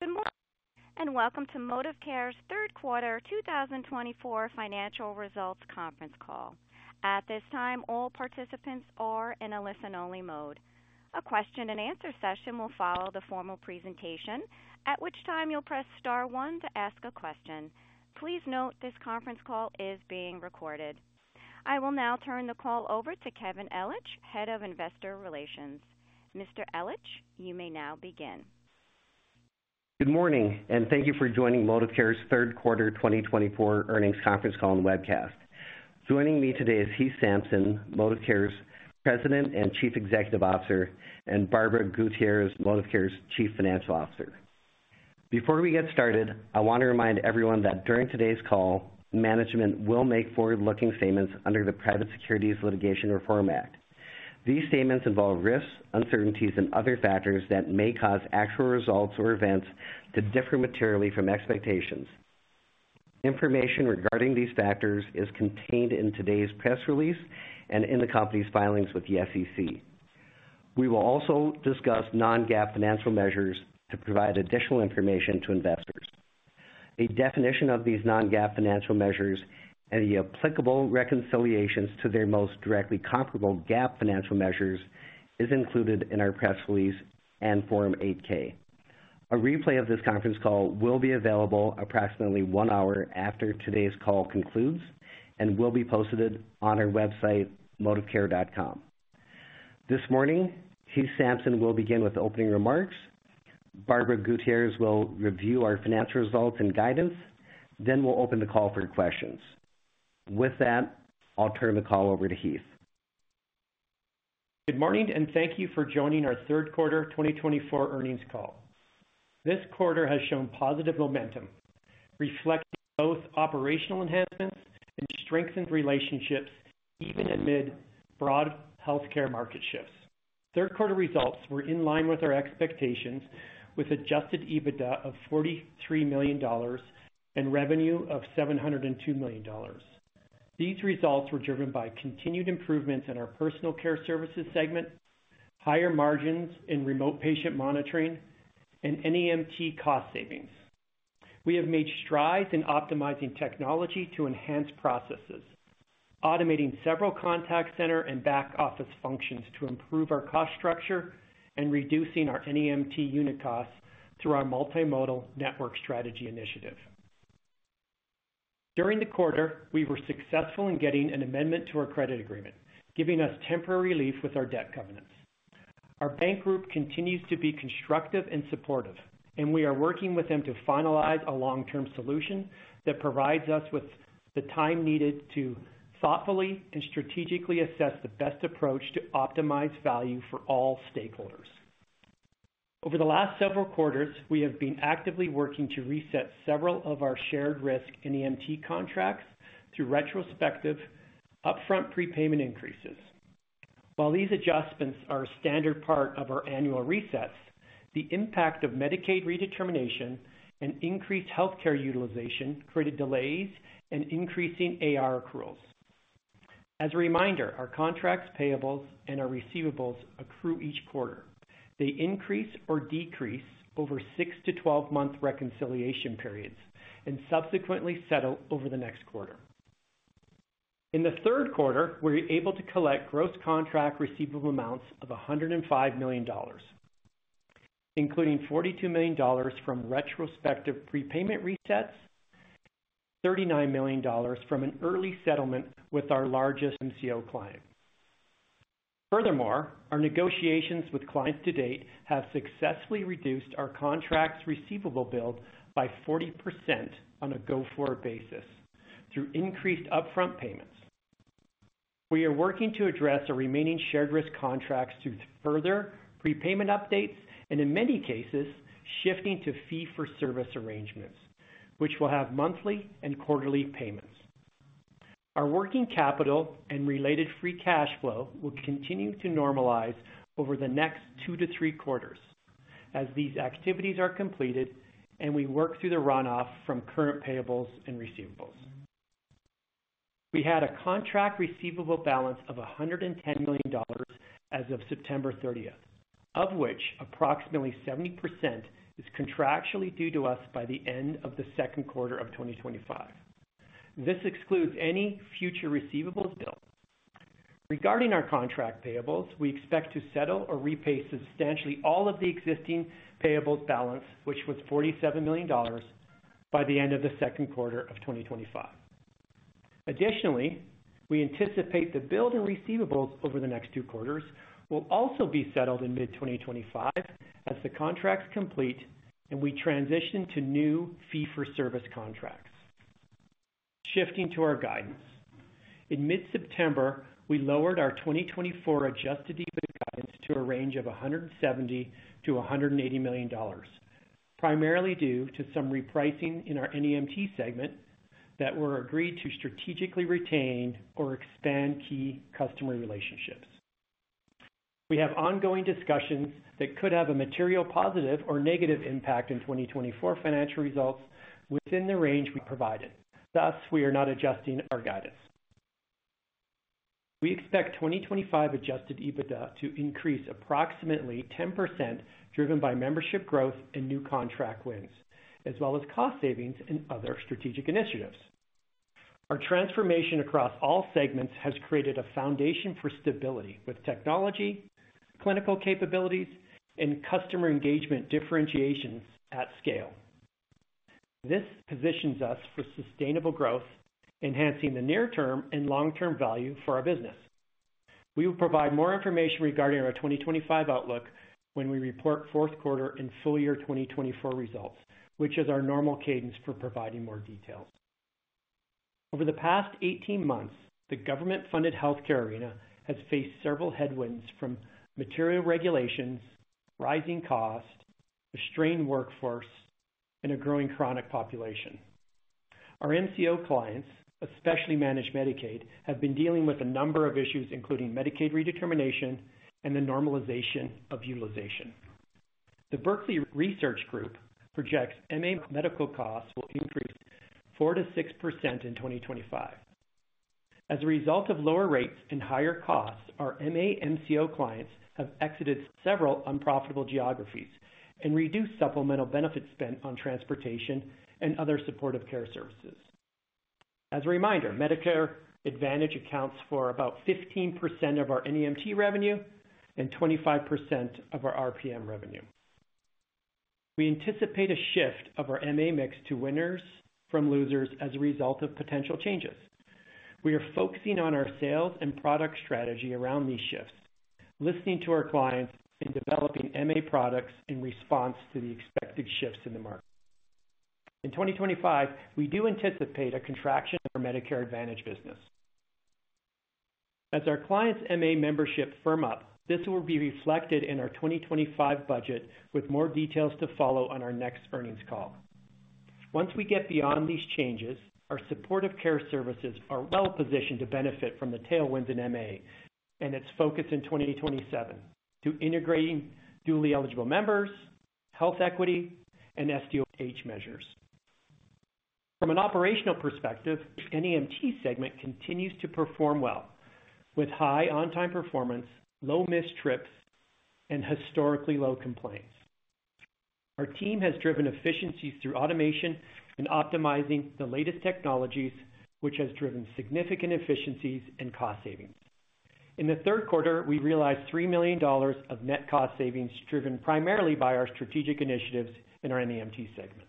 Good morning and welcome to ModivCare's third quarter 2024 financial results conference call. At this time, all participants are in a listen-only mode. A question-and-answer session will follow the formal presentation, at which time you'll press star one to ask a question. Please note this conference call is being recorded. I will now turn the call over to Kevin Ellich, Head of Investor Relations. Mr. Ellich, you may now begin. Good morning, and thank you for joining ModivCare's third quarter 2024 earnings conference call and webcast. Joining me today is Heath Sampson, ModivCare's President and Chief Executive Officer, and Barbara Gutierrez, ModivCare's Chief Financial Officer. Before we get started, I want to remind everyone that during today's call, management will make forward-looking statements under the Private Securities Litigation Reform Act. These statements involve risks, uncertainties, and other factors that may cause actual results or events to differ materially from expectations. Information regarding these factors is contained in today's press release and in the company's filings with the SEC. We will also discuss non-GAAP financial measures to provide additional information to investors. A definition of these non-GAAP financial measures and the applicable reconciliations to their most directly comparable GAAP financial measures is included in our press release and Form 8-K. A replay of this conference call will be available approximately one hour after today's call concludes and will be posted on our website, modivcare.com. This morning, Heath Sampson will begin with opening remarks. Barbara Gutierrez will review our financial results and guidance. Then we'll open the call for questions. With that, I'll turn the call over to Heath. Good morning, and thank you for joining our third quarter 2024 earnings call. This quarter has shown positive momentum, reflecting both operational enhancements and strengthened relationships, even amid broad healthcare market shifts. Third quarter results were in line with our expectations, with Adjusted EBITDA of $43 million and revenue of $702 million. These results were driven by continued improvements in our personal care services segment, higher margins in remote patient monitoring, and NEMT cost savings. We have made strides in optimizing technology to enhance processes, automating several contact center and back office functions to improve our cost structure and reducing our NEMT unit costs through our multimodal network strategy initiative. During the quarter, we were successful in getting an amendment to our credit agreement, giving us temporary relief with our debt covenants. Our bank group continues to be constructive and supportive, and we are working with them to finalize a long-term solution that provides us with the time needed to thoughtfully and strategically assess the best approach to optimize value for all stakeholders. Over the last several quarters, we have been actively working to reset several of our shared risk NEMT contracts through retrospective upfront prepayment increases. While these adjustments are a standard part of our annual resets, the impact of Medicaid redetermination and increased healthcare utilization created delays in increasing AR accruals. As a reminder, our contracts, payables, and our receivables accrue each quarter. They increase or decrease over 6-12-month reconciliation periods and subsequently settle over the next quarter. In the third quarter, we were able to collect gross contract receivable amounts of $105 million, including $42 million from retrospective prepayment resets, and $39 million from an early settlement with our largest MCO client. Furthermore, our negotiations with clients to date have successfully reduced our contract's receivable bill by 40% on a go-forward basis through increased upfront payments. We are working to address our remaining shared risk contracts through further prepayment updates and, in many cases, shifting to fee-for-service arrangements, which will have monthly and quarterly payments. Our working capital and related free cash flow will continue to normalize over the next two to three quarters as these activities are completed and we work through the runoff from current payables and receivables. We had a contract receivable balance of $110 million as of September 30th, of which approximately 70% is contractually due to us by the end of the second quarter of 2025. This excludes any future receivables bill. Regarding our contract payables, we expect to settle or repay substantially all of the existing payables balance, which was $47 million, by the end of the second quarter of 2025. Additionally, we anticipate the billed and receivables over the next two quarters will also be settled in mid-2025 as the contracts complete and we transition to new fee-for-service contracts. Shifting to our guidance. In mid-September, we lowered our 2024 Adjusted EBITDA guidance to a range of $170-$180 million, primarily due to some repricing in our NEMT segment that were agreed to strategically retain or expand key customer relationships. We have ongoing discussions that could have a material positive or negative impact in 2024 financial results within the range we provided. Thus, we are not adjusting our guidance. We expect 2025 Adjusted EBITDA to increase approximately 10%, driven by membership growth and new contract wins, as well as cost savings and other strategic initiatives. Our transformation across all segments has created a foundation for stability with technology, clinical capabilities, and customer engagement differentiations at scale. This positions us for sustainable growth, enhancing the near-term and long-term value for our business. We will provide more information regarding our 2025 outlook when we report fourth quarter and full year 2024 results, which is our normal cadence for providing more detail. Over the past 18 months, the government-funded healthcare arena has faced several headwinds from material regulations, rising costs, a strained workforce, and a growing chronic population. Our MCO clients, especially Managed Medicaid, have been dealing with a number of issues, including Medicaid redetermination and the normalization of utilization. The Berkeley Research Group projects MA medical costs will increase 4%-6% in 2025. As a result of lower rates and higher costs, our MA MCO clients have exited several unprofitable geographies and reduced supplemental benefit spent on transportation and other supportive care services. As a reminder, Medicare Advantage accounts for about 15% of our NEMT revenue and 25% of our RPM revenue. We anticipate a shift of our MA mix to winners from losers as a result of potential changes. We are focusing on our sales and product strategy around these shifts, listening to our clients and developing MA products in response to the expected shifts in the market. In 2025, we do anticipate a contraction of our Medicare Advantage business. As our clients' MA membership firms up, this will be reflected in our 2025 budget with more details to follow on our next earnings call. Once we get beyond these changes, our supportive care services are well positioned to benefit from the tailwinds in MA and its focus in 2027 to integrating dually eligible members, health equity, and SDOH measures. From an operational perspective, the NEMT segment continues to perform well, with high on-time performance, low missed trips, and historically low complaints. Our team has driven efficiencies through automation and optimizing the latest technologies, which has driven significant efficiencies and cost savings. In the third quarter, we realized $3 million of net cost savings driven primarily by our strategic initiatives in our NEMT segment.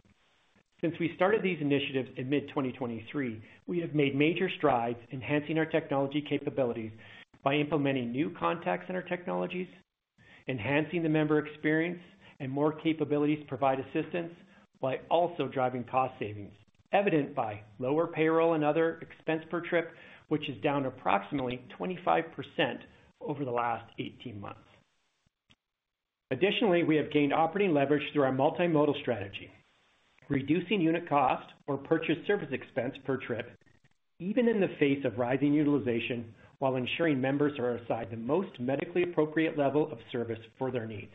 Since we started these initiatives in mid-2023, we have made major strides enhancing our technology capabilities by implementing new contracts in our technologies, enhancing the member experience, and more capabilities to provide assistance while also driving cost savings, evident by lower payroll and other expense per trip, which is down approximately 25% over the last 18 months. Additionally, we have gained operating leverage through our multimodal strategy, reducing unit cost or purchase service expense per trip, even in the face of rising utilization, while ensuring members are assigned the most medically appropriate level of service for their needs.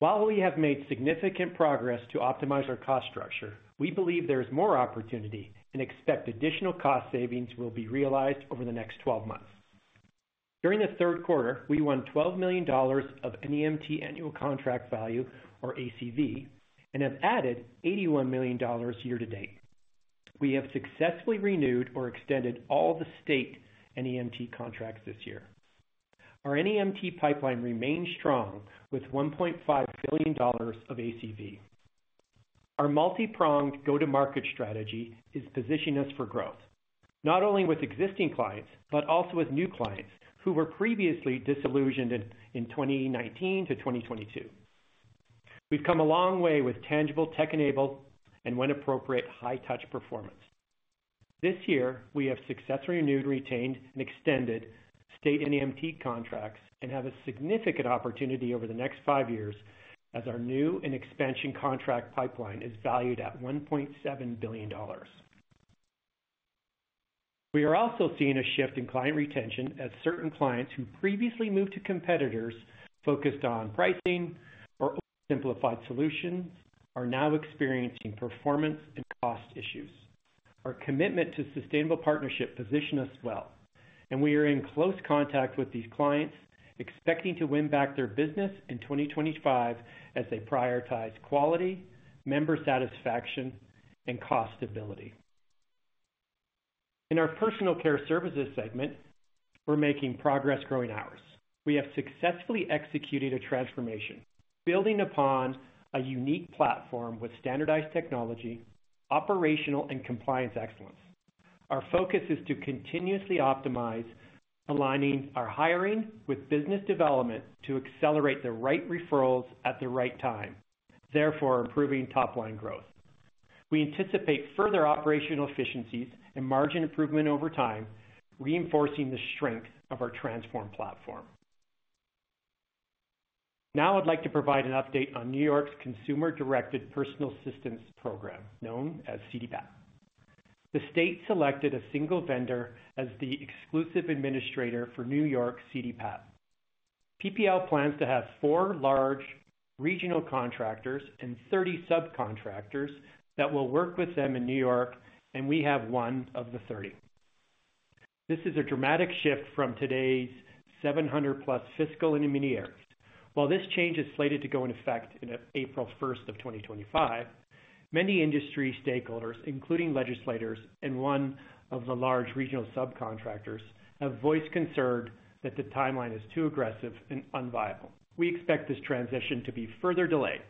While we have made significant progress to optimize our cost structure, we believe there is more opportunity and expect additional cost savings will be realized over the next 12 months. During the third quarter, we won $12 million of NEMT annual contract value, or ACV, and have added $81 million year to date. We have successfully renewed or extended all the state NEMT contracts this year. Our NEMT pipeline remains strong with $1.5 billion of ACV. Our multi-pronged go-to-market strategy is positioning us for growth, not only with existing clients, but also with new clients who were previously disillusioned in 2019 to 2022. We've come a long way with tangible tech-enabled and, when appropriate, high-touch performance. This year, we have successfully renewed, retained, and extended state NEMT contracts and have a significant opportunity over the next five years as our new and expansion contract pipeline is valued at $1.7 billion. We are also seeing a shift in client retention as certain clients who previously moved to competitors focused on pricing or simplified solutions are now experiencing performance and cost issues. Our commitment to sustainable partnership positions us well, and we are in close contact with these clients, expecting to win back their business in 2025 as they prioritize quality, member satisfaction, and cost stability. In our personal care services segment, we're making progress growing ours. We have successfully executed a transformation, building upon a unique platform with standardized technology, operational, and compliance excellence. Our focus is to continuously optimize, aligning our hiring with business development to accelerate the right referrals at the right time, therefore improving top-line growth. We anticipate further operational efficiencies and margin improvement over time, reinforcing the strength of our transform platform. Now, I'd like to provide an update on New York's Consumer Directed Personal Assistance Program, known as CDPAP. The state selected a single vendor as the exclusive administrator for New York CDPAP. PPL plans to have four large regional contractors and 30 subcontractors that will work with them in New York, and we have one of the 30. This is a dramatic shift from today's 700+ Fiscal Intermediaries. While this change is slated to go into effect on April 1st of 2025, many industry stakeholders, including legislators and one of the large regional subcontractors, have voiced concern that the timeline is too aggressive and unviable. We expect this transition to be further delayed.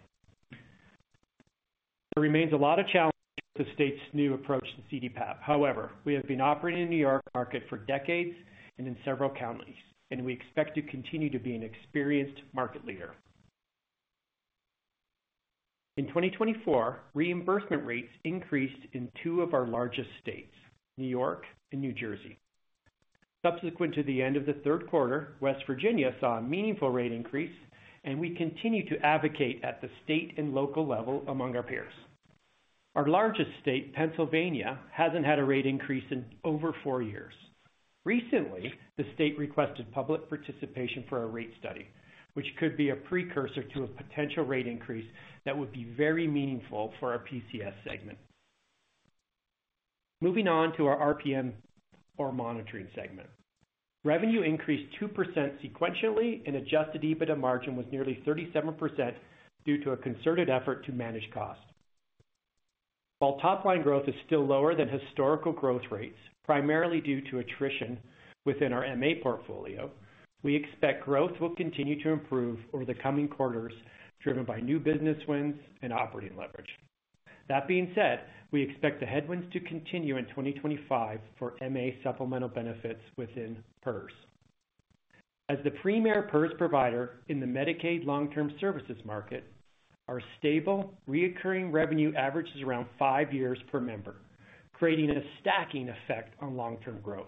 There remains a lot of challenges with the state's new approach to CDPAP. However, we have been operating in the New York market for decades and in several counties, and we expect to continue to be an experienced market leader. In 2024, reimbursement rates increased in two of our largest states, New York and New Jersey. Subsequent to the end of the third quarter, West Virginia saw a meaningful rate increase, and we continue to advocate at the state and local level among our peers. Our largest state, Pennsylvania, hasn't had a rate increase in over four years. Recently, the state requested public participation for a rate study, which could be a precursor to a potential rate increase that would be very meaningful for our PCS segment. Moving on to our RPM or monitoring segment. Revenue increased 2% sequentially, and adjusted EBITDA margin was nearly 37% due to a concerted effort to manage cost. While top-line growth is still lower than historical growth rates, primarily due to attrition within our MA portfolio, we expect growth will continue to improve over the coming quarters, driven by new business wins and operating leverage. That being said, we expect the headwinds to continue in 2025 for MA supplemental benefits within PERS. As the premier PERS provider in the Medicaid long-term services market, our stable, recurring revenue averages around five years per member, creating a stacking effect on long-term growth.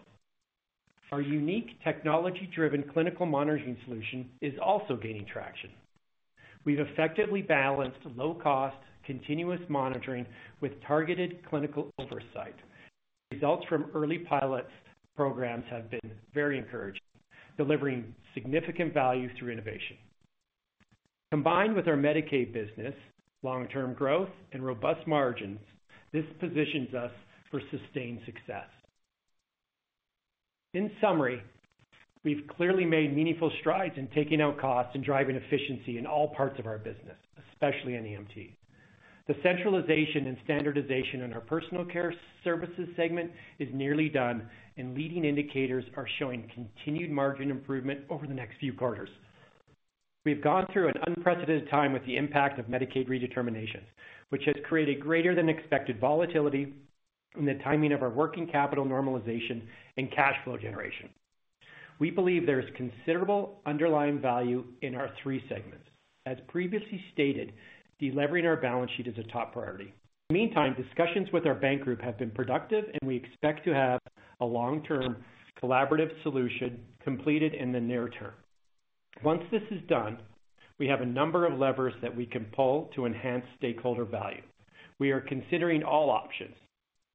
Our unique technology-driven clinical monitoring solution is also gaining traction. We've effectively balanced low-cost continuous monitoring with targeted clinical oversight. Results from early pilot programs have been very encouraging, delivering significant value through innovation. Combined with our Medicaid business, long-term growth, and robust margins, this positions us for sustained success. In summary, we've clearly made meaningful strides in taking out costs and driving efficiency in all parts of our business, especially NEMT. The centralization and standardization in our personal care services segment is nearly done, and leading indicators are showing continued margin improvement over the next few quarters. We have gone through an unprecedented time with the impact of Medicaid redetermination, which has created greater-than-expected volatility in the timing of our working capital normalization and cash flow generation. We believe there is considerable underlying value in our three segments. As previously stated, delivering our balance sheet is a top priority. In the meantime, discussions with our bank group have been productive, and we expect to have a long-term collaborative solution completed in the near term. Once this is done, we have a number of levers that we can pull to enhance stakeholder value. We are considering all options,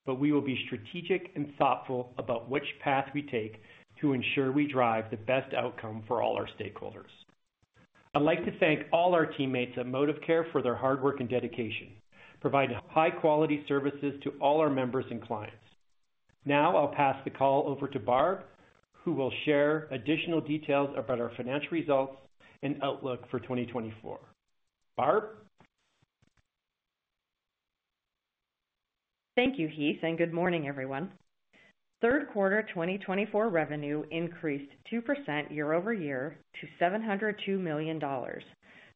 but we will be strategic and thoughtful about which path we take to ensure we drive the best outcome for all our stakeholders. I'd like to thank all our teammates at ModivCare for their hard work and dedication, providing high-quality services to all our members and clients. Now, I'll pass the call over to Barb, who will share additional details about our financial results and outlook for 2024. Barb? Thank you, Heath, and good morning, everyone. Third quarter 2024 revenue increased 2% year over year to $702 million,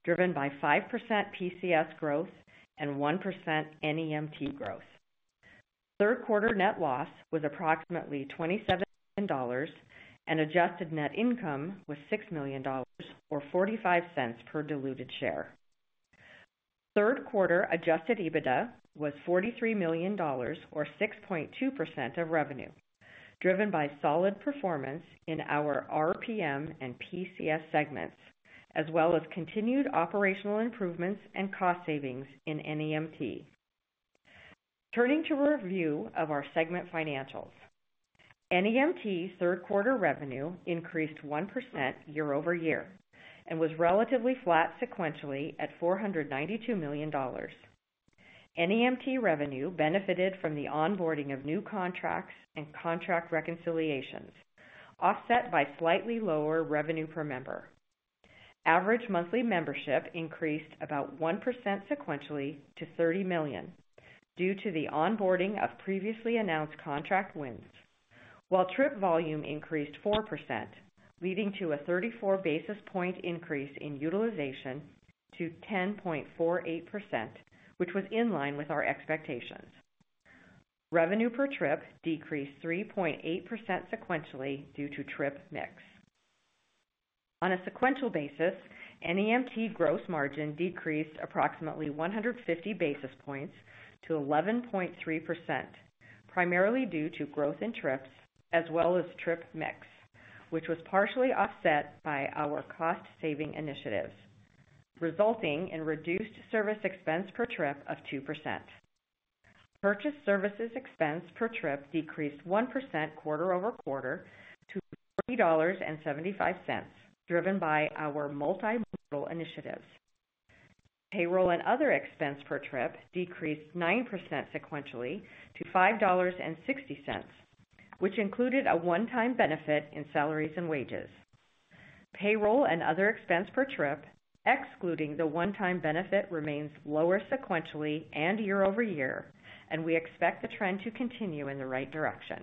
driven by 5% PCS growth and 1% NEMT growth. Third quarter net loss was approximately $27 million, and adjusted net income was $6 million, or $0.45 per diluted share. Third quarter Adjusted EBITDA was $43 million, or 6.2% of revenue, driven by solid performance in our RPM and PCS segments, as well as continued operational improvements and cost savings in NEMT. Turning to a review of our segment financials, NEMT's third quarter revenue increased 1% year over year and was relatively flat sequentially at $492 million. NEMT revenue benefited from the onboarding of new contracts and contract reconciliations, offset by slightly lower revenue per member. Average monthly membership increased about 1% sequentially to $30 million due to the onboarding of previously announced contract wins, while trip volume increased 4%, leading to a 34 basis point increase in utilization to 10.48%, which was in line with our expectations. Revenue per trip decreased 3.8% sequentially due to trip mix. On a sequential basis, NEMT gross margin decreased approximately 150 basis points to 11.3%, primarily due to growth in trips as well as trip mix, which was partially offset by our cost-saving initiatives, resulting in reduced service expense per trip of 2%. Purchase services expense per trip decreased 1% quarter over quarter to $30.75, driven by our multimodal initiatives. Payroll and other expense per trip decreased 9% sequentially to $5.60, which included a one-time benefit in salaries and wages. Payroll and other expense per trip, excluding the one-time benefit, remains lower sequentially and year over year, and we expect the trend to continue in the right direction.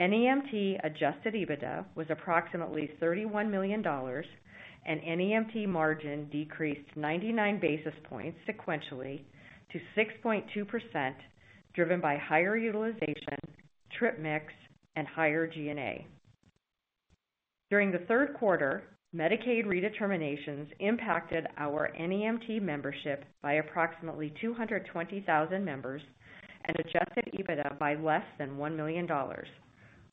NEMT adjusted EBITDA was approximately $31 million, and NEMT margin decreased 99 basis points sequentially to 6.2%, driven by higher utilization, trip mix, and higher G&A. During the third quarter, Medicaid redeterminations impacted our NEMT membership by approximately 220,000 members and adjusted EBITDA by less than $1 million,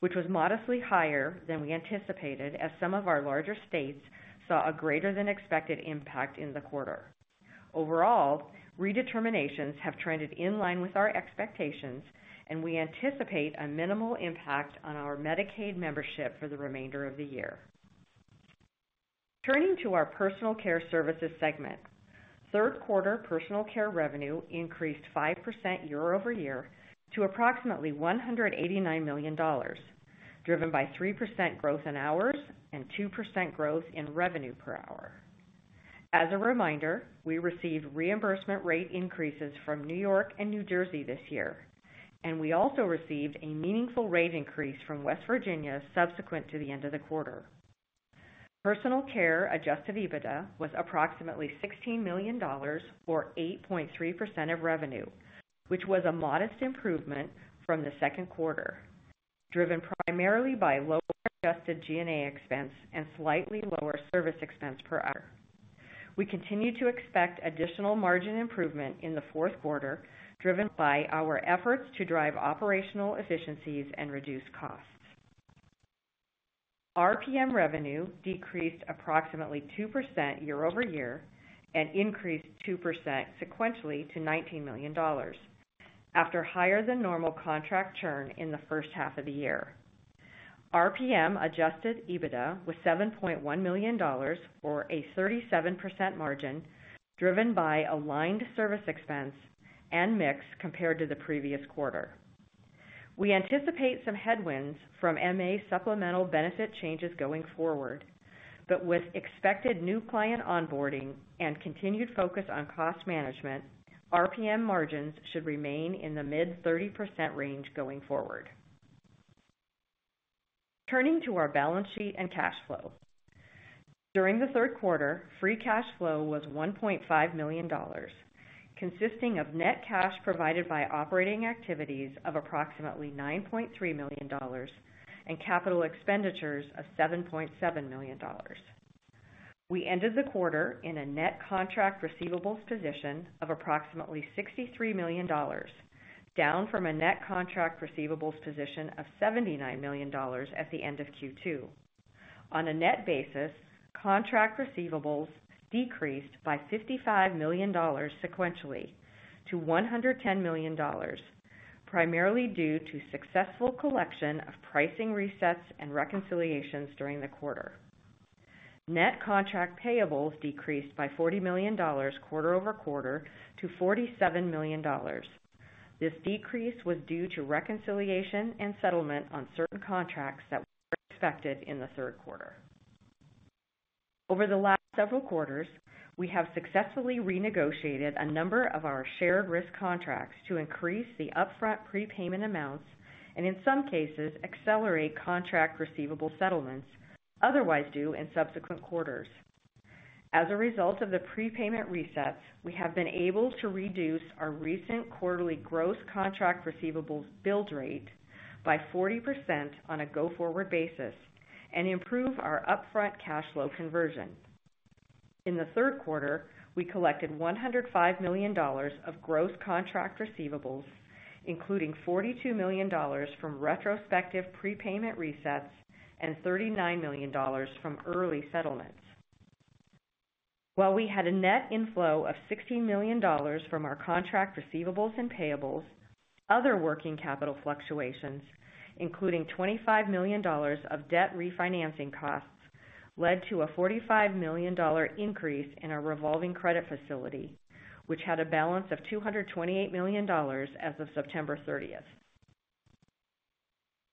which was modestly higher than we anticipated as some of our larger states saw a greater-than-expected impact in the quarter. Overall, redeterminations have trended in line with our expectations, and we anticipate a minimal impact on our Medicaid membership for the remainder of the year. Turning to our Personal Care Services segment, third quarter Personal Care revenue increased 5% year over year to approximately $189 million, driven by 3% growth in hours and 2% growth in revenue per hour. As a reminder, we received reimbursement rate increases from New York and New Jersey this year, and we also received a meaningful rate increase from West Virginia subsequent to the end of the quarter. Personal Care Adjusted EBITDA was approximately $16 million, or 8.3% of revenue, which was a modest improvement from the second quarter, driven primarily by lower adjusted G&A expense and slightly lower service expense per hour. We continue to expect additional margin improvement in the fourth quarter, driven by our efforts to drive operational efficiencies and reduce costs. RPM revenue decreased approximately 2% year over year and increased 2% sequentially to $19 million after higher-than-normal contract churn in the first half of the year. RPM Adjusted EBITDA was $7.1 million, or a 37% margin, driven by aligned service expense and mix compared to the previous quarter. We anticipate some headwinds from MA supplemental benefit changes going forward, but with expected new client onboarding and continued focus on cost management, RPM margins should remain in the mid-30% range going forward. Turning to our balance sheet and cash flow. During the third quarter, free cash flow was $1.5 million, consisting of net cash provided by operating activities of approximately $9.3 million and capital expenditures of $7.7 million. We ended the quarter in a net contract receivables position of approximately $63 million, down from a net contract receivables position of $79 million at the end of Q2. On a net basis, contract receivables decreased by $55 million sequentially to $110 million, primarily due to successful collection of pricing resets and reconciliations during the quarter. Net contract payables decreased by $40 million quarter over quarter to $47 million. This decrease was due to reconciliation and settlement on certain contracts that were expected in the third quarter. Over the last several quarters, we have successfully renegotiated a number of our shared risk contracts to increase the upfront prepayment amounts and, in some cases, accelerate contract receivable settlements otherwise due in subsequent quarters. As a result of the prepayment resets, we have been able to reduce our recent quarterly gross contract receivables build rate by 40% on a go-forward basis and improve our upfront cash flow conversion. In the third quarter, we collected $105 million of gross contract receivables, including $42 million from retrospective prepayment resets and $39 million from early settlements. While we had a net inflow of $16 million from our contract receivables and payables, other working capital fluctuations, including $25 million of debt refinancing costs, led to a $45 million increase in our revolving credit facility, which had a balance of $228 million as of September 30.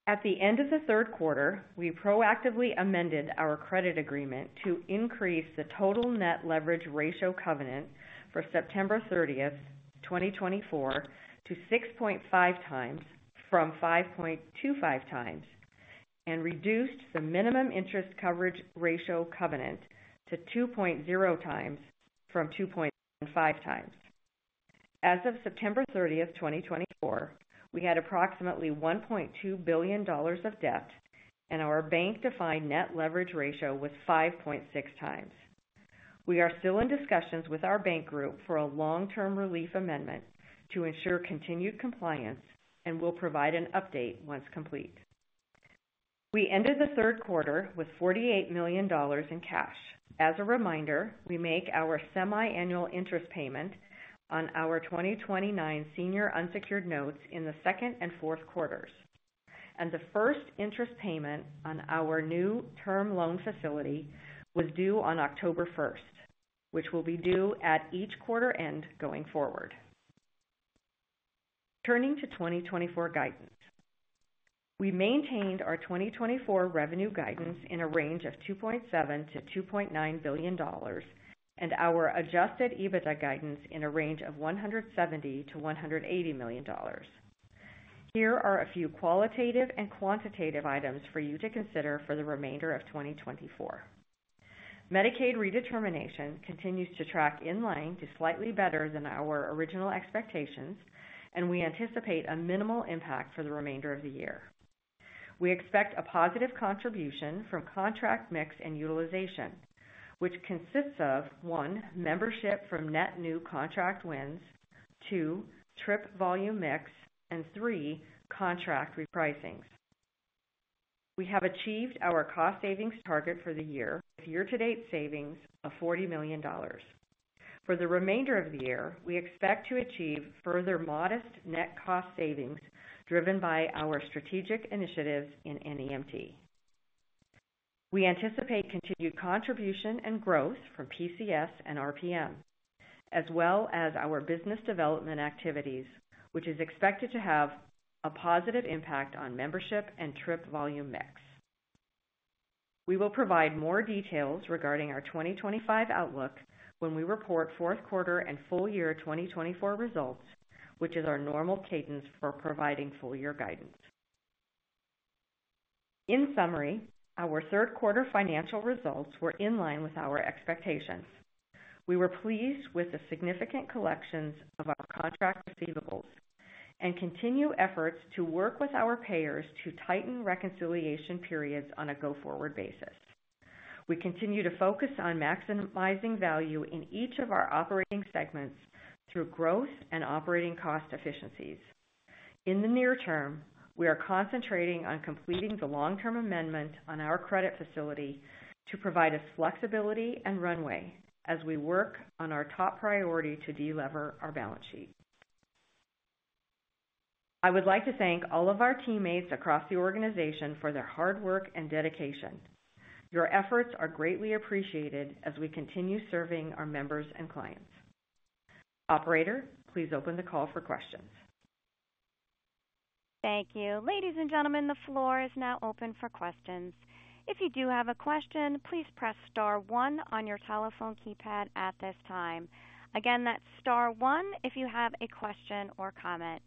At the end of the third quarter, we proactively amended our credit agreement to increase the total net leverage ratio covenant for September 30, 2024, to 6.5x from 5.25x and reduced the minimum interest coverage ratio covenant to 2.0x from 2.5x. As of September 30, 2024, we had approximately $1.2 billion of debt, and our bank-defined net leverage ratio was 5.6x. We are still in discussions with our bank group for a long-term relief amendment to ensure continued compliance and will provide an update once complete. We ended the third quarter with $48 million in cash. As a reminder, we make our semi-annual interest payment on our 2029 senior unsecured notes in the second and fourth quarters. The first interest payment on our new term loan facility was due on October 1, which will be due at each quarter end going forward. Turning to 2024 guidance, we maintained our 2024 revenue guidance in a range of $2.7-$2.9 billion and our Adjusted EBITDA guidance in a range of $170-$180 million. Here are a few qualitative and quantitative items for you to consider for the remainder of 2024. Medicaid redetermination continues to track in line to slightly better than our original expectations, and we anticipate a minimal impact for the remainder of the year. We expect a positive contribution from contract mix and utilization, which consists of: one) membership from net new contract wins, two) trip volume mix, and three) contract repricings. We have achieved our cost savings target for the year with year-to-date savings of $40 million. For the remainder of the year, we expect to achieve further modest net cost savings driven by our strategic initiatives in NEMT. We anticipate continued contribution and growth from PCS and RPM, as well as our business development activities, which is expected to have a positive impact on membership and trip volume mix. We will provide more details regarding our 2025 outlook when we report fourth quarter and full year 2024 results, which is our normal cadence for providing full year guidance. In summary, our third quarter financial results were in line with our expectations. We were pleased with the significant collections of our contract receivables and continue efforts to work with our payers to tighten reconciliation periods on a go-forward basis. We continue to focus on maximizing value in each of our operating segments through growth and operating cost efficiencies. In the near term, we are concentrating on completing the long-term amendment on our credit facility to provide us flexibility and runway as we work on our top priority to delever our balance sheet. I would like to thank all of our teammates across the organization for their hard work and dedication. Your efforts are greatly appreciated as we continue serving our members and clients. Operator, please open the call for questions. Thank you. Ladies and gentlemen, the floor is now open for questions. If you do have a question, please press star one on your telephone keypad at this time. Again, that's star one if you have a question or comment.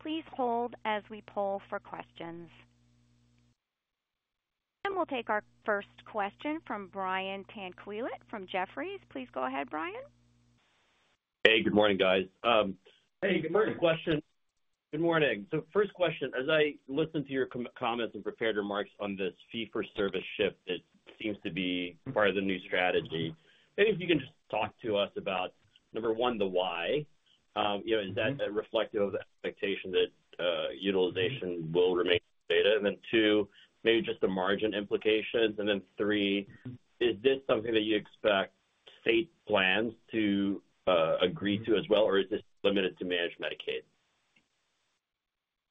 Please hold as we poll for questions. And we'll take our first question from Brian Tanquilut from Jefferies. Please go ahead, Brian. Hey, good morning, guys. Hey, good morning. Good morning. So first question, as I listened to your comments and prepared remarks on this fee-for-service shift, it seems to be part of the new strategy. Maybe if you can just talk to us about, number one, the why. Is that reflective of the expectation that utilization will remain elevated? And then two, maybe just the margin implications. And then three, is this something that you expect state plans to agree to as well, or is this limited to Managed Medicaid?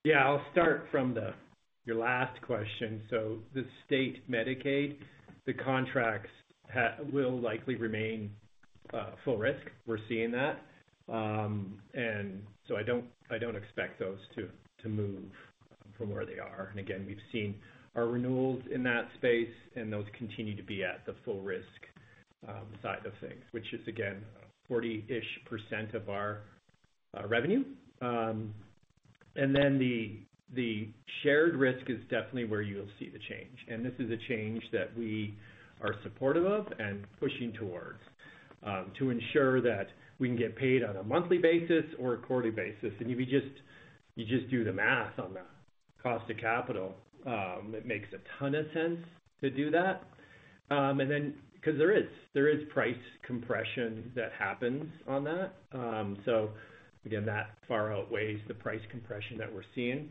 Yeah, I'll start from your last question. So the state Medicaid, the contracts will likely remain full risk. We're seeing that. And so I don't expect those to move from where they are. And again, we've seen our renewals in that space, and those continue to be at the full risk side of things, which is, again, 40% of our revenue. And then the shared risk is definitely where you'll see the change. And this is a change that we are supportive of and pushing towards to ensure that we can get paid on a monthly basis or a quarterly basis. And if you just do the math on the cost of capital, it makes a ton of sense to do that. And then, because there is price compression that happens on that. So again, that far outweighs the price compression that we're seeing.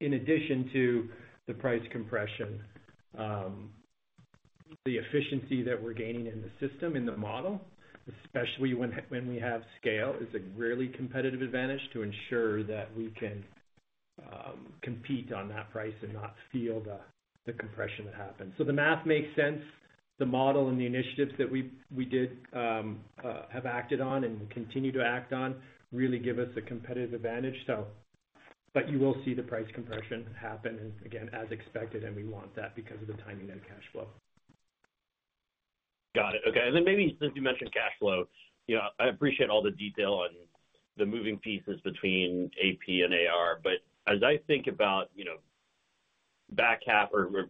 In addition to the price compression, the efficiency that we're gaining in the system, in the model, especially when we have scale, is a really competitive advantage to ensure that we can compete on that price and not feel the compression that happens. So the math makes sense. The model and the initiatives that we did have acted on and continue to act on really give us a competitive advantage. But you will see the price compression happen, and again, as expected, and we want that because of the timing of the cash flow. Got it. Okay. And then maybe since you mentioned cash flow, I appreciate all the detail on the moving pieces between AP and AR, but as I think about back half or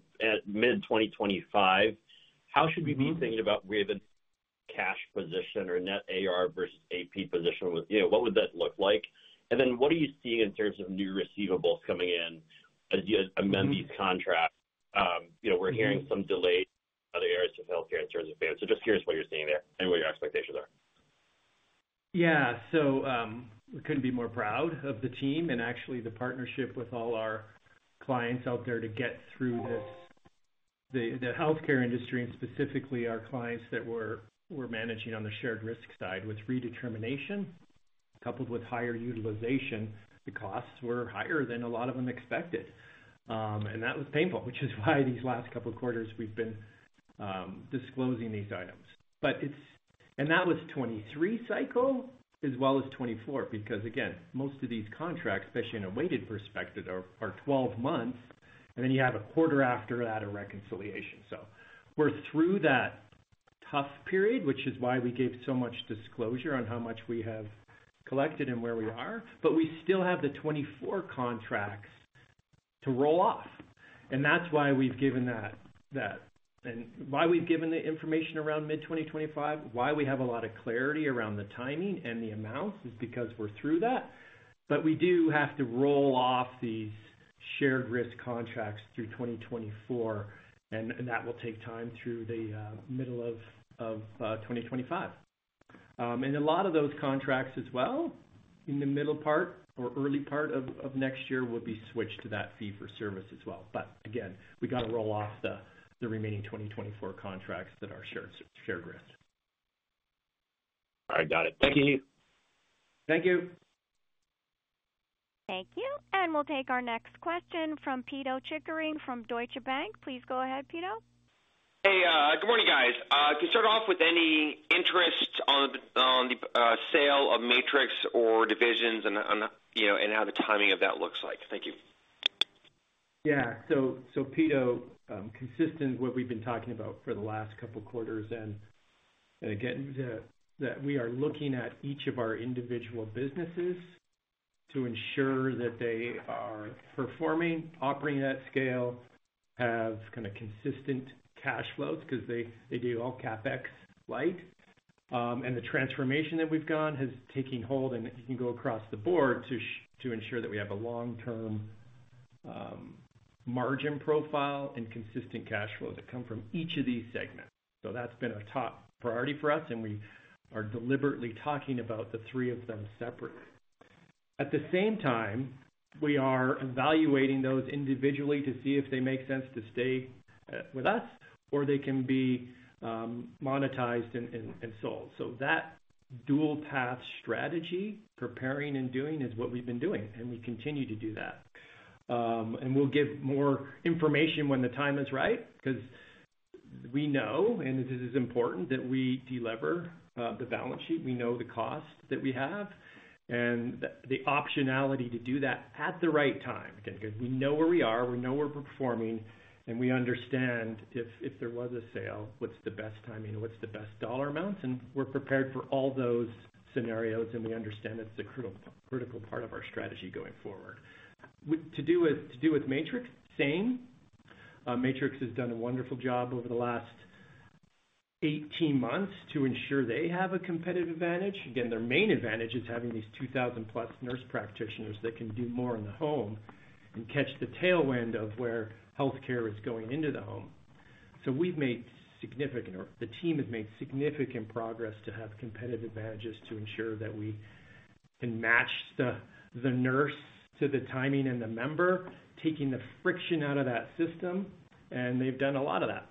mid-2025, how should we be thinking about where the cash position or net AR versus AP position? What would that look like? And then what are you seeing in terms of new receivables coming in as you amend these contracts? We're hearing some delays in other areas of healthcare in terms of payments. So just curious what you're seeing there and what your expectations are. Yeah. So we couldn't be more proud of the team and actually the partnership with all our clients out there to get through this. The healthcare industry and specifically our clients that we're managing on the shared risk side with redetermination coupled with higher utilization, the costs were higher than a lot of them expected. That was painful, which is why these last couple of quarters we've been disclosing these items. That was the 2023 cycle as well as 2024 because, again, most of these contracts, especially in a weighted perspective, are 12 months, and then you have a quarter after that of reconciliation. We're through that tough period, which is why we gave so much disclosure on how much we have collected and where we are, but we still have the 2024 contracts to roll off. That's why we've given that and why we've given the information around mid-2025. We have a lot of clarity around the timing and the amounts because we're through that. We do have to roll off these shared risk contracts through 2024, and that will take time through the middle of 2025. And a lot of those contracts as well in the middle part or early part of next year will be switched to that fee-for-service as well. But again, we got to roll off the remaining 2024 contracts that are shared risk. All right. Got it. Thank you. Thank you. Thank you. And we'll take our next question from Pito Chickering from Deutsche Bank. Please go ahead, Pito. Hey, good morning, guys. Can you start off with any interest on the sale of Matrix or divisions and how the timing of that looks like? Thank you. Yeah. So Pito, consistent with what we've been talking about for the last couple of quarters, and again, that we are looking at each of our individual businesses to ensure that they are performing, operating at scale, have kind of consistent cash flows because they do all CapEx light. And the transformation that we've gone has taken hold, and you can go across the board to ensure that we have a long-term margin profile and consistent cash flow that come from each of these segments. So that's been a top priority for us, and we are deliberately talking about the three of them separately. At the same time, we are evaluating those individually to see if they make sense to stay with us or they can be monetized and sold. So that dual-path strategy, preparing and doing, is what we've been doing, and we continue to do that. And we'll give more information when the time is right because we know, and this is important, that we deliver the balance sheet. We know the cost that we have and the optionality to do that at the right time, again, because we know where we are, we know we're performing, and we understand if there was a sale, what's the best timing, what's the best dollar amounts, and we're prepared for all those scenarios, and we understand that's a critical part of our strategy going forward. To do with Matrix, same. Matrix has done a wonderful job over the last 18 months to ensure they have a competitive advantage. Again, their main advantage is having these 2,000-plus nurse practitioners that can do more in the home and catch the tailwind of where healthcare is going into the home. We've made significant, or the team has made significant progress to have competitive advantages to ensure that we can match the nurse to the timing and the member, taking the friction out of that system, and they've done a lot of that.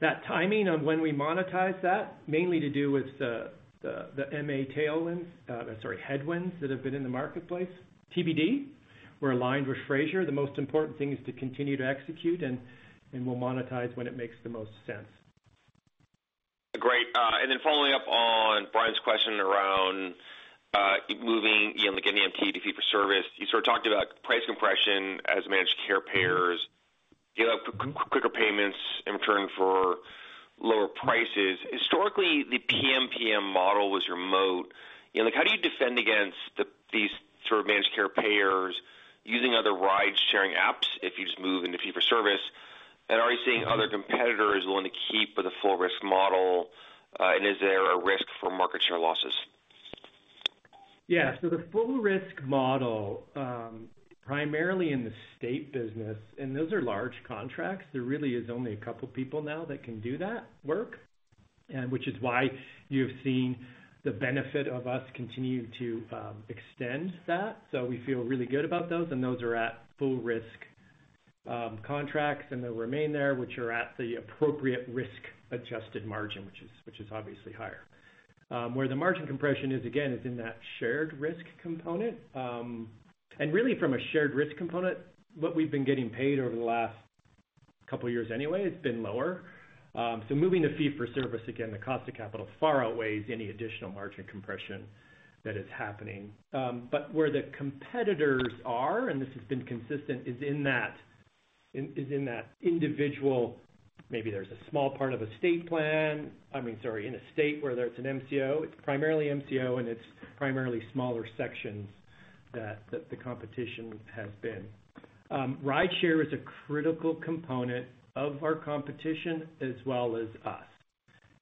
That timing on when we monetize that mainly has to do with the MA tailwinds, sorry, headwinds that have been in the marketplace. TBD, we're aligned with Frazier. The most important thing is to continue to execute, and we'll monetize when it makes the most sense. Great. Following up on Brian's question around moving, again, the MT to fee-for-service, you sort of talked about price compression as managed care payers quicker payments in return for lower prices. Historically, the PMPM model was remote. How do you defend against these sort of managed care payers using other ridesharing apps if you just move into fee-for-service? And are you seeing other competitors willing to keep with a full-risk model? And is there a risk for market share losses? Yeah. So the full-risk model, primarily in the state business, and those are large contracts. There really is only a couple of people now that can do that work, which is why you have seen the benefit of us continuing to extend that. So we feel really good about those, and those are at full-risk contracts, and they'll remain there, which are at the appropriate risk-adjusted margin, which is obviously higher. Where the margin compression is, again, is in that shared risk component. And really, from a shared risk component, what we've been getting paid over the last couple of years anyway has been lower. So moving to fee-for-service, again, the cost of capital far outweighs any additional margin compression that is happening. But where the competitors are, and this has been consistent, is in that individual, maybe there's a small part of a state plan. I mean, sorry, in a state where it's an MCO. It's primarily MCO, and it's primarily smaller sections that the competition has been. Rideshare is a critical component of our competition as well as us,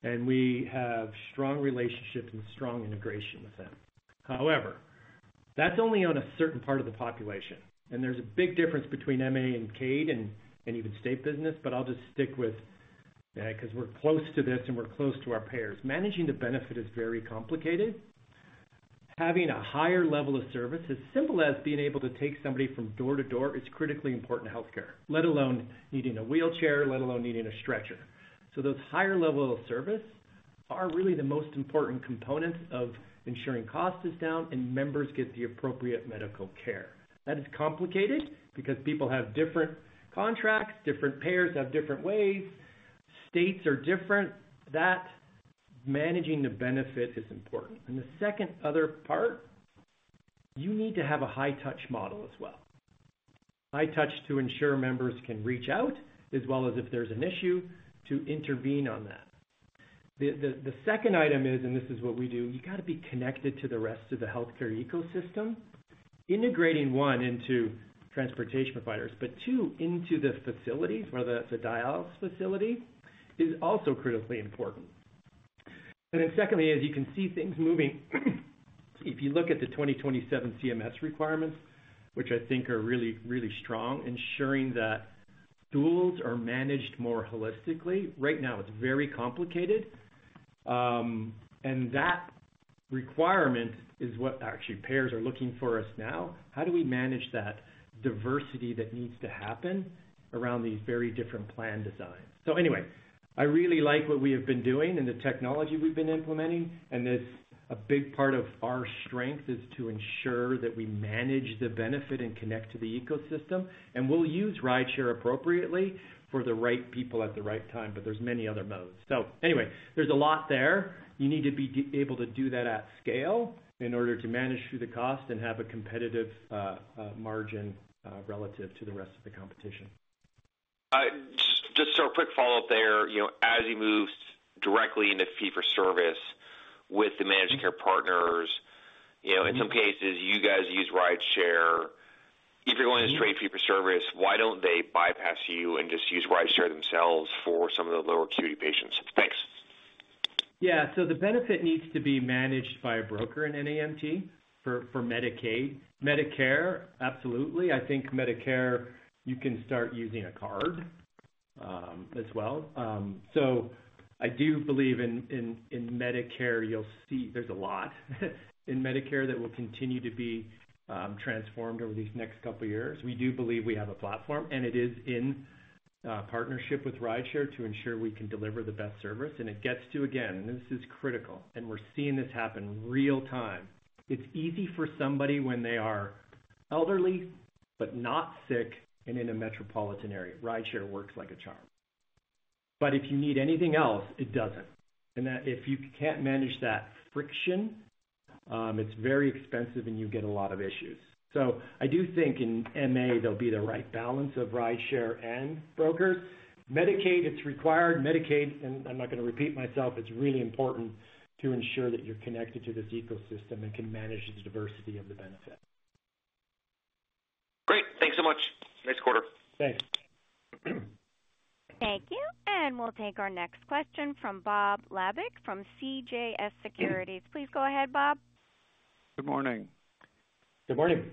and we have strong relationships and strong integration with them. However, that's only on a certain part of the population, and there's a big difference between MA and CAD and even state business, but I'll just stick with because we're close to this and we're close to our payers. Managing the benefit is very complicated. Having a higher level of service, as simple as being able to take somebody from door to door, is critically important to healthcare, let alone needing a wheelchair, let alone needing a stretcher. So those higher levels of service are really the most important components of ensuring cost is down and members get the appropriate medical care. That is complicated because people have different contracts, different payers have different ways, states are different. That managing the benefit is important. And the second other part, you need to have a high-touch model as well. High touch to ensure members can reach out as well as if there's an issue to intervene on that. The second item is, and this is what we do, you got to be connected to the rest of the healthcare ecosystem, integrating one into transportation providers, but two, into the facilities, whether that's a dialysis facility, is also critically important. And then secondly, as you can see things moving, if you look at the 2027 CMS requirements, which I think are really, really strong, ensuring that tools are managed more holistically. Right now, it's very complicated, and that requirement is what actually payers are looking for us now. How do we manage that diversity that needs to happen around these very different plan designs? So anyway, I really like what we have been doing and the technology we've been implementing, and a big part of our strength is to ensure that we manage the benefit and connect to the ecosystem. And we'll use rideshare appropriately for the right people at the right time, but there's many other modes. So anyway, there's a lot there. You need to be able to do that at scale in order to manage through the cost and have a competitive margin relative to the rest of the competition. Just a quick follow-up there. As you move directly into fee-for-service with the managed care partners, in some cases, you guys use rideshare. If you're going to straight fee-for-service, why don't they bypass you and just use rideshare themselves for some of the lower acuity patients? Thanks. Yeah. So the benefit needs to be managed by a broker in NEMT for Medicaid. Medicare, absolutely. I think Medicare, you can start using a card as well. So I do believe in Medicare, you'll see there's a lot in Medicare that will continue to be transformed over these next couple of years. We do believe we have a platform, and it is in partnership with rideshare to ensure we can deliver the best service. And it gets to, again, this is critical, and we're seeing this happen real-time. It's easy for somebody when they are elderly but not sick and in a metropolitan area. Rideshare works like a charm. But if you need anything else, it doesn't. And if you can't manage that friction, it's very expensive and you get a lot of issues. So I do think in MA, there'll be the right balance of rideshare and brokers. Medicaid, it's required. Medicaid, and I'm not going to repeat myself, it's really important to ensure that you're connected to this ecosystem and can manage the diversity of the benefit. Great. Thanks so much. Nice quarter. Thanks. Thank you. And we'll take our next question from Bob Labick from CJS Securities. Please go ahead, Bob. Good morning. Good morning.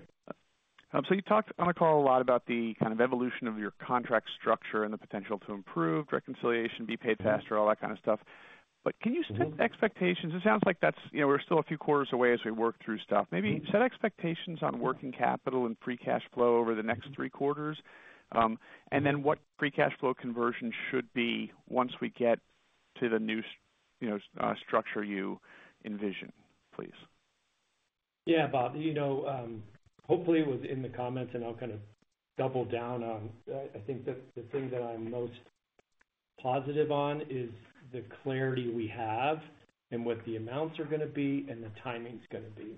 So you talked on a call a lot about the kind of evolution of your contract structure and the potential to improve reconciliation, be paid faster, all that kind of stuff. But can you set expectations? It sounds like we're still a few quarters away as we work through stuff. Maybe set expectations on working capital and free cash flow over the next three quarters. And then what free cash flow conversion should be once we get to the new structure you envision, please? Yeah, Bob. Hopefully, it was in the comments, and I'll kind of double down on. I think that the thing that I'm most positive on is the clarity we have and what the amounts are going to be and the timing's going to be.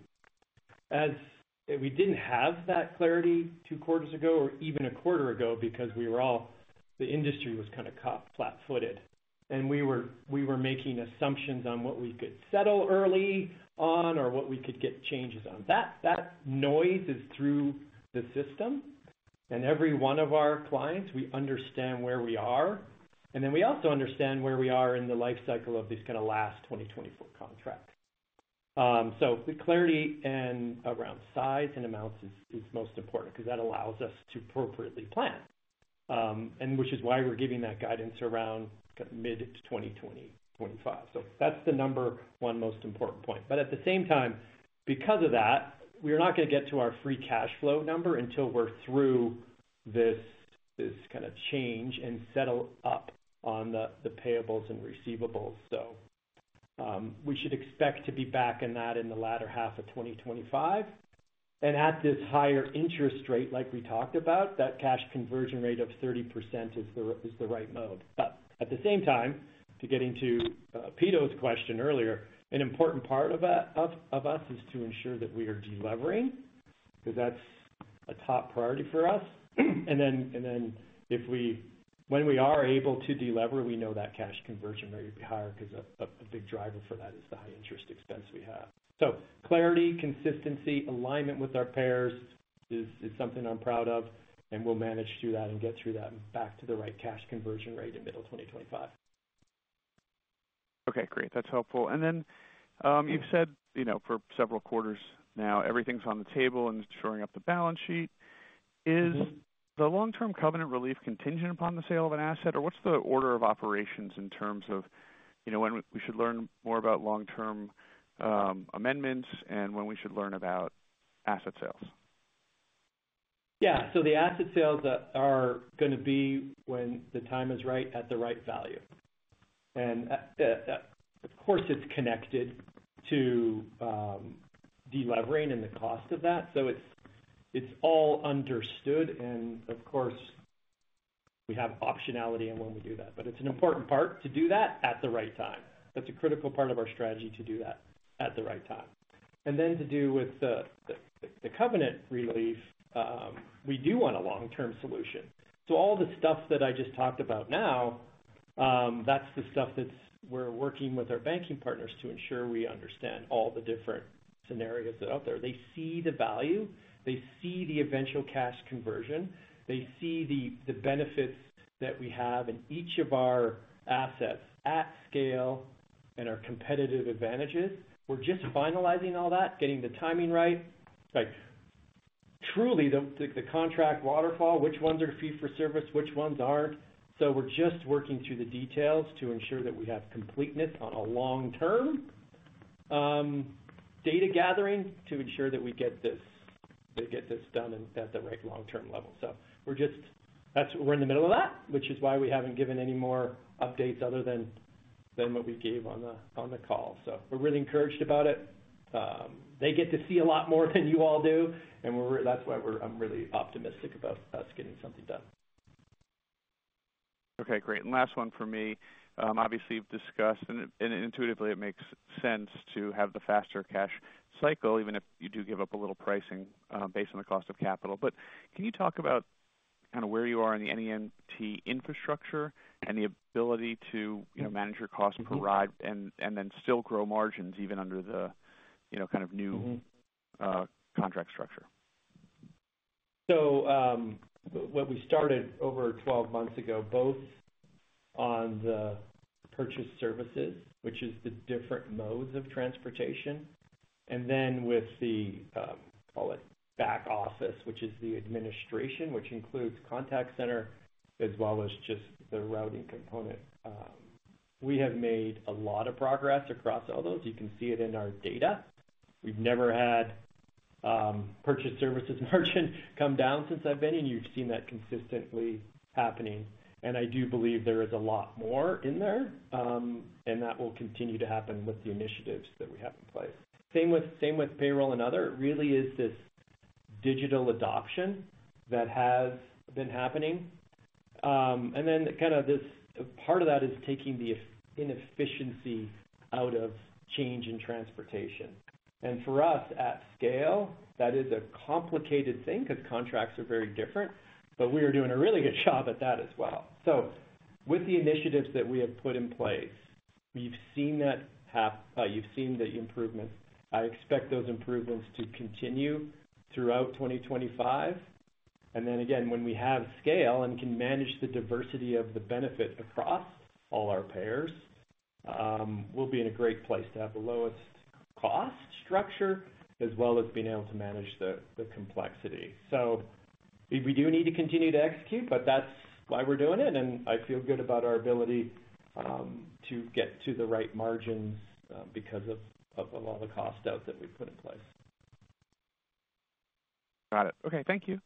We didn't have that clarity two quarters ago or even a quarter ago because the industry was kind of flat-footed. And we were making assumptions on what we could settle early on or what we could get changes on. That noise is through the system. And every one of our clients, we understand where we are. And then we also understand where we are in the life cycle of these kind of last 2024 contracts. So the clarity around size and amounts is most important because that allows us to appropriately plan, which is why we're giving that guidance around mid-2025. So that's the number one most important point. But at the same time, because of that, we're not going to get to our free cash flow number until we're through this kind of change and settle up on the payables and receivables. So we should expect to be back in that in the latter half of 2025. And at this higher interest rate, like we talked about, that cash conversion rate of 30% is the right mode. But at the same time, to get into Peter's question earlier, an important part of us is to ensure that we are delivering because that's a top priority for us. And then when we are able to deliver, we know that cash conversion rate will be higher because a big driver for that is the high-interest expense we have. So clarity, consistency, alignment with our payers is something I'm proud of, and we'll manage through that and get through that and back to the right cash conversion rate in middle 2025. Okay. Great. That's helpful. And then you've said for several quarters now, everything's on the table and showing up the balance sheet. Is the long-term covenant relief contingent upon the sale of an asset, or what's the order of operations in terms of when we should learn more about long-term amendments and when we should learn about asset sales? Yeah. The asset sales are going to be when the time is right at the right value. And of course, it's connected to delivering and the cost of that. It's all understood. And of course, we have optionality on when we do that. But it's an important part to do that at the right time. That's a critical part of our strategy to do that at the right time. And then to do with the covenant relief, we do want a long-term solution. So all the stuff that I just talked about now, that's the stuff that we're working with our banking partners to ensure we understand all the different scenarios that are out there. They see the value. They see the eventual cash conversion. They see the benefits that we have in each of our assets at scale and our competitive advantages. We're just finalizing all that, getting the timing right. Truly, the contract waterfall, which ones are fee-for-service, which ones aren't. So we're just working through the details to ensure that we have completeness on a long-term data gathering to ensure that we get this done at the right long-term level. So we're in the middle of that, which is why we haven't given any more updates other than what we gave on the call. So we're really encouraged about it. They get to see a lot more than you all do, and that's why I'm really optimistic about us getting something done. Okay. Great. And last one for me. Obviously, you've discussed, and intuitively, it makes sense to have the faster cash cycle, even if you do give up a little pricing based on the cost of capital. But can you talk about kind of where you are in the NEMT infrastructure and the ability to manage your cost per ride and then still grow margins even under the kind of new contract structure? So what we started over 12 months ago, both on the purchase services, which is the different modes of transportation, and then with the, call it, back office, which is the administration, which includes contact center as well as just the routing component. We have made a lot of progress across all those. You can see it in our data. We've never had purchased services margin come down since I've been here, and you've seen that consistently happening, and I do believe there is a lot more in there, and that will continue to happen with the initiatives that we have in place. Same with payroll and other. It really is this digital adoption that has been happening, and then kind of this part of that is taking the inefficiency out of changes in transportation, and for us, at scale, that is a complicated thing because contracts are very different, but we are doing a really good job at that as well, so with the initiatives that we have put in place, we've seen that happen. You've seen the improvements. I expect those improvements to continue throughout 2025. And then again, when we have scale and can manage the diversity of the benefit across all our payers, we'll be in a great place to have the lowest cost structure as well as being able to manage the complexity. So we do need to continue to execute, but that's why we're doing it. And I feel good about our ability to get to the right margins because of all the cost out that we've put in place. Got it. Okay. Thank you.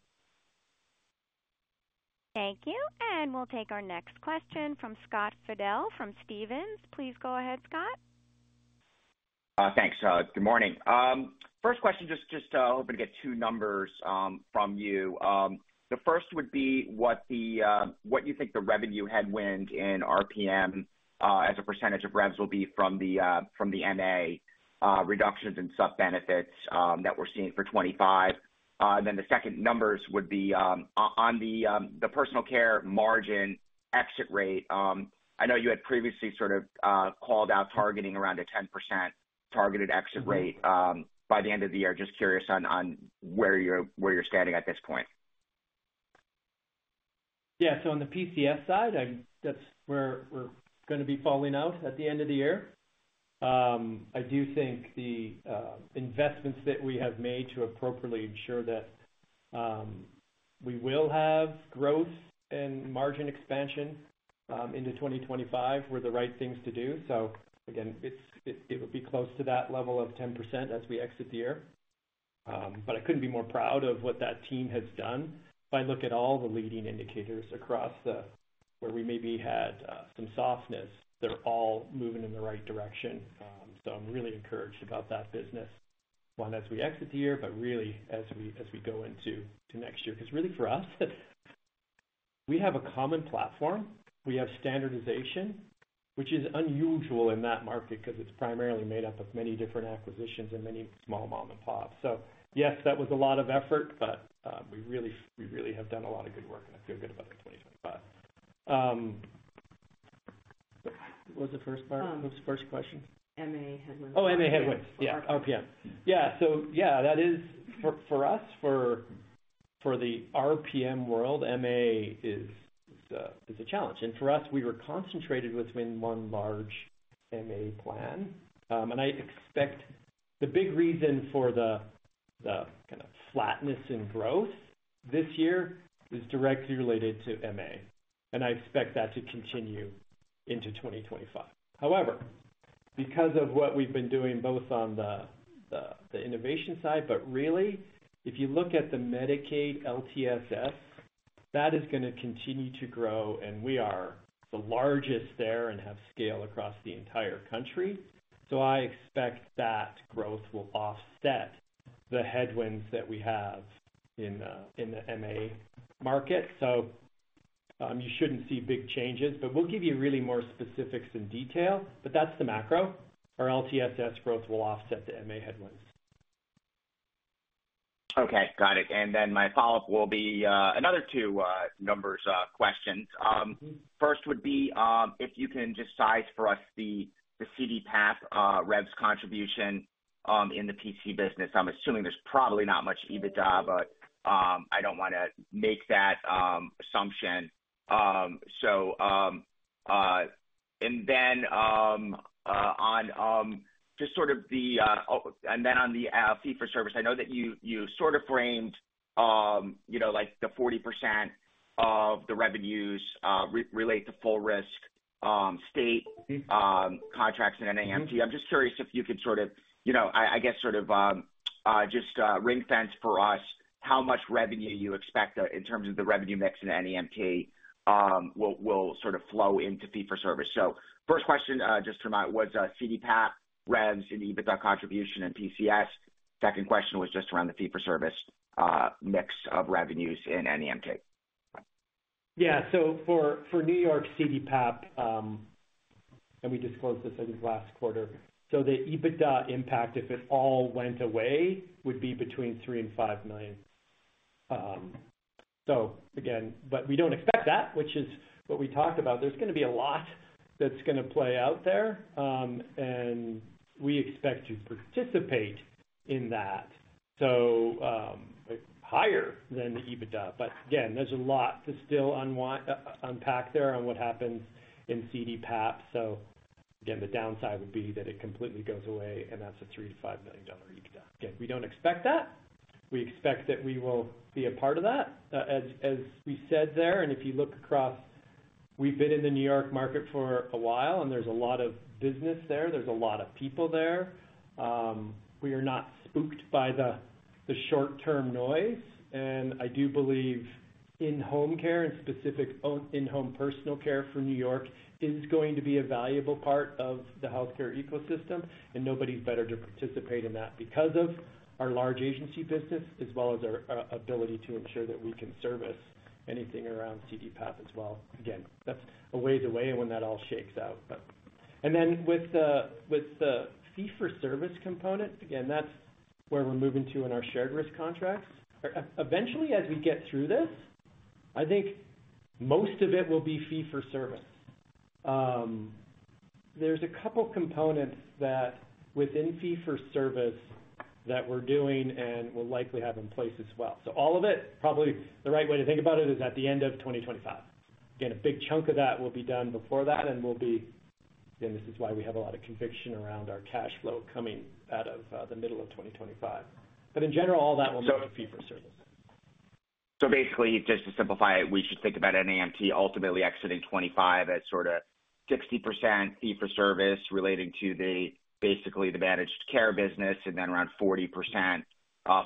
Thank you. And we'll take our next question from Scott Fidel from Stephens. Please go ahead, Scott. Thanks. Good morning. First question, just hoping to get two numbers from you. The first would be what you think the revenue headwind in RPM as a percentage of revs will be from the MA reductions and sub-benefits that we're seeing for 2025. And then the second numbers would be on the personal care margin exit rate. I know you had previously sort of called out targeting around a 10% targeted exit rate by the end of the year. Just curious on where you're standing at this point. Yeah. So on the PCS side, that's where we're going to be falling out at the end of the year. I do think the investments that we have made to appropriately ensure that we will have growth and margin expansion into 2025 were the right things to do. So again, it would be close to that level of 10% as we exit the year. But I couldn't be more proud of what that team has done. If I look at all the leading indicators across where we maybe had some softness, they're all moving in the right direction. So, I'm really encouraged about that business, one as we exit the year, but really as we go into next year. Because really for us, we have a common platform. We have standardization, which is unusual in that market because it's primarily made up of many different acquisitions and many small mom-and-pops. So yes, that was a lot of effort, but we really have done a lot of good work, and I feel good about the 2025. What was the first part of the first question? MA headwinds. Oh, MA headwinds. Yeah. RPM. Yeah. So yeah, that is for us, for the RPM world, MA is a challenge. And for us, we were concentrated within one large MA plan. And I expect the big reason for the kind of flatness in growth this year is directly related to MA. And I expect that to continue into 2025. However, because of what we've been doing both on the innovation side, but really, if you look at the Medicaid LTSS, that is going to continue to grow. And we are the largest there and have scale across the entire country. So I expect that growth will offset the headwinds that we have in the MA market. So you shouldn't see big changes, but we'll give you really more specifics in detail. But that's the macro. Our LTSS growth will offset the MA headwinds. Okay. Got it. And then my follow-up will be another two numbers questions. First would be if you can just size for us the CDPAP revs contribution in the PC business. I'm assuming there's probably not much EBITDA, but I don't want to make that assumption. And then on just sort of the fee-for-service, I know that you sort of framed like the 40% of the revenues relate to full-risk state contracts in NEMT. I'm just curious if you could sort of, I guess, sort of just ring-fence for us how much revenue you expect in terms of the revenue mix in NEMT will sort of flow into fee-for-service. So first question, just to remind, was CDPAP, revs, and EBITDA contribution in PCS. Second question was just around the fee-for-service mix of revenues in NEMT. Yeah. So for New York CDPAP, and we disclosed this I think last quarter, so the EBITDA impact, if it all went away, would be between $3 million and $5 million. So again, but we don't expect that, which is what we talked about. There's going to be a lot that's going to play out there, and we expect to participate in that, so higher than the EBITDA, but again, there's a lot to still unpack there on what happens in CDPAP, so again, the downside would be that it completely goes away, and that's a $3 million-$5 million EBITDA. Again, we don't expect that. We expect that we will be a part of that, as we said there, and if you look across, we've been in the New York market for a while, and there's a lot of business there. There's a lot of people there. We are not spooked by the short-term noise, and I do believe in-home care and specific in-home personal care for New York is going to be a valuable part of the healthcare ecosystem. And nobody's better to participate in that because of our large agency business as well as our ability to ensure that we can service anything around CDPAP as well. Again, that's a ways away when that all shakes out. And then with the fee-for-service component, again, that's where we're moving to in our shared risk contracts. Eventually, as we get through this, I think most of it will be fee-for-service. There's a couple of components within fee-for-service that we're doing and will likely have in place as well. So all of it, probably the right way to think about it is at the end of 2025. Again, a big chunk of that will be done before that. And again, this is why we have a lot of conviction around our cash flow coming out of the middle of 2025. But in general, all that will move to fee-for-service. So basically, just to simplify it, we should think about NEMT ultimately exiting '25 at sort of 60% fee-for-service relating to basically the managed care business, and then around 40%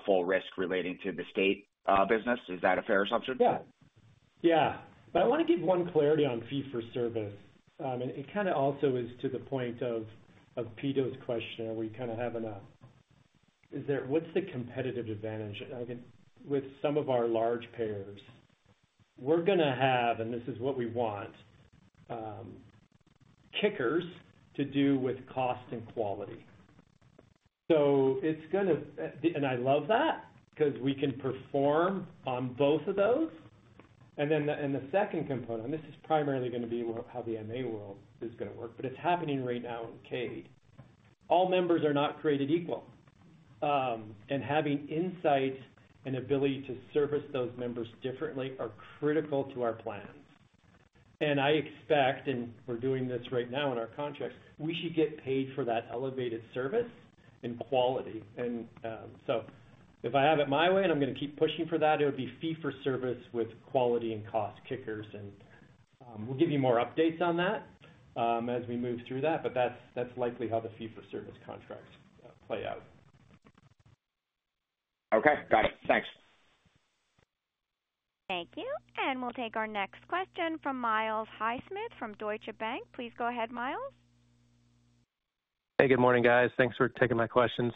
full risk relating to the state business. Is that a fair assumption? Yeah. Yeah. But I want to give one clarity on fee-for-service. And it kind of also is to the point of Pito's question where you kind of have an is there what's the competitive advantage? With some of our large payers, we're going to have, and this is what we want, kickers to do with cost and quality. So it's going to and I love that because we can perform on both of those. And then the second component, and this is primarily going to be how the MA world is going to work, but it's happening right now in Medicaid. All members are not created equal. And having insight and ability to service those members differently are critical to our plans. And I expect, and we're doing this right now in our contracts, we should get paid for that elevated service and quality. And so if I have it my way and I'm going to keep pushing for that, it would be fee-for-service with quality and cost kickers. And we'll give you more updates on that as we move through that. But that's likely how the fee-for-service contracts play out. Okay. Got it. Thanks. Thank you. And we'll take our next question from Miles Highsmith from Deutsche Bank. Please go ahead, Myles. Hey, good morning, guys. Thanks for taking my questions.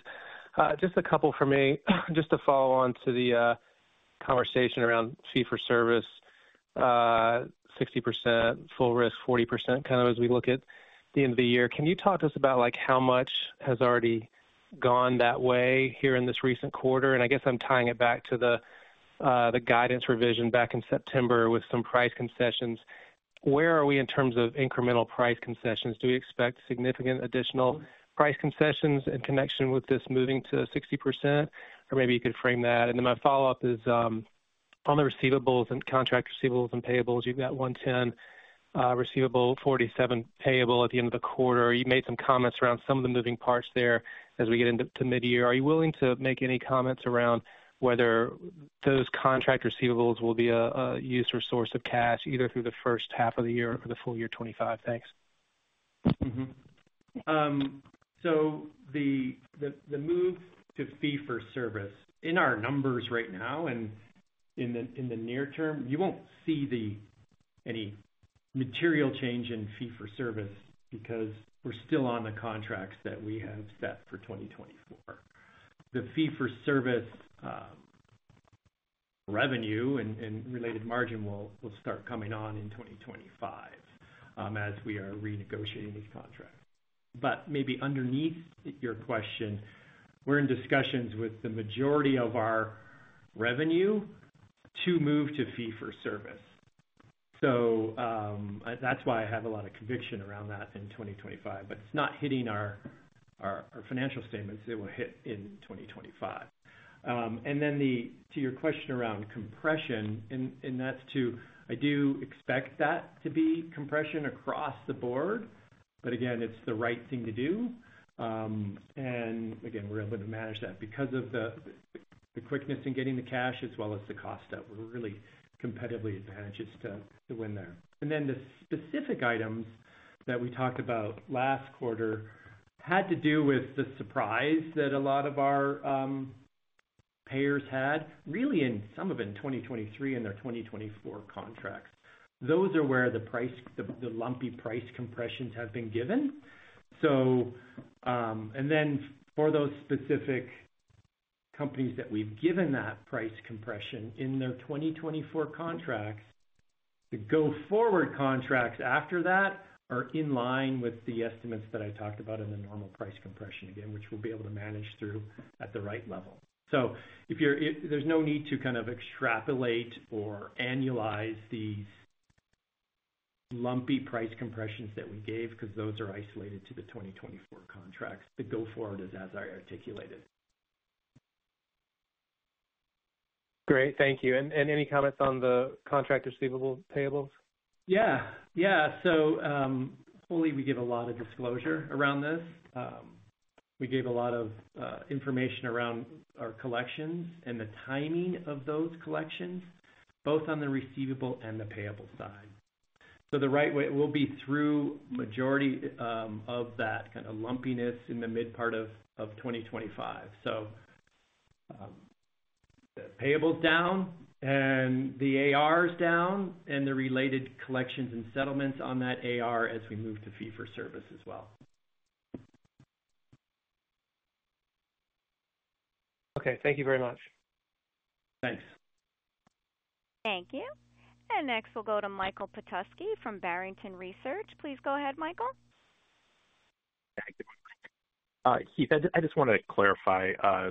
Just a couple for me, just to follow on to the conversation around fee-for-service, 60% full risk, 40% kind of as we look at the end of the year. Can you talk to us about how much has already gone that way here in this recent quarter? And I guess I'm tying it back to the guidance revision back in September with some price concessions. Where are we in terms of incremental price concessions? Do we expect significant additional price concessions in connection with this moving to 60%? Or maybe you could frame that. And then my follow-up is on the receivables and contract receivables and payables. You've got 110 receivable, 47% payable at the end of the quarter. You made some comments around some of the moving parts there as we get into mid-year. Are you willing to make any comments around whether those contract receivables will be a use or source of cash either through the first half of the year or the full year 2025? Thanks. The move to fee-for-service in our numbers right now and in the near term, you won't see any material change in fee-for-service because we're still on the contracts that we have set for 2024. The fee-for-service revenue and related margin will start coming on in 2025 as we are renegotiating these contracts. Maybe underneath your question, we're in discussions with the majority of our revenue to move to fee-for-service. That's why I have a lot of conviction around that in 2025. It's not hitting our financial statements. It will hit in 2025. Then to your question around compression, and that's to I do expect that to be compression across the board. Again, it's the right thing to do. Again, we're able to manage that because of the quickness in getting the cash as well as the cost of it. We're really competitively advantaged to win there. And then the specific items that we talked about last quarter had to do with the surprise that a lot of our payers had, really in some of it in 2023 and their 2024 contracts. Those are where the lumpy price compressions have been given. And then for those specific companies that we've given that price compression in their 2024 contracts, the go-forward contracts after that are in line with the estimates that I talked about in the normal price compression, again, which we'll be able to manage through at the right level. So there's no need to kind of extrapolate or annualize these lumpy price compressions that we gave because those are isolated to the 2024 contracts. The go-forward is as I articulated. Great. Thank you. And any comments on the contract receivable payables? Yeah. Yeah. So fully, we give a lot of disclosure around this. We gave a lot of information around our collections and the timing of those collections, both on the receivable and the payable side. So the right way it will be through majority of that kind of lumpiness in the mid part of 2025. So the payables down and the ARs down and the related collections and settlements on that AR as we move to fee-for-service as well. Okay. Thank you very much. Thanks. Thank you. And next, we'll go to Michael Petusky from Barrington Research. Please go ahead, Michael. Thank you. Heath, I just want to clarify a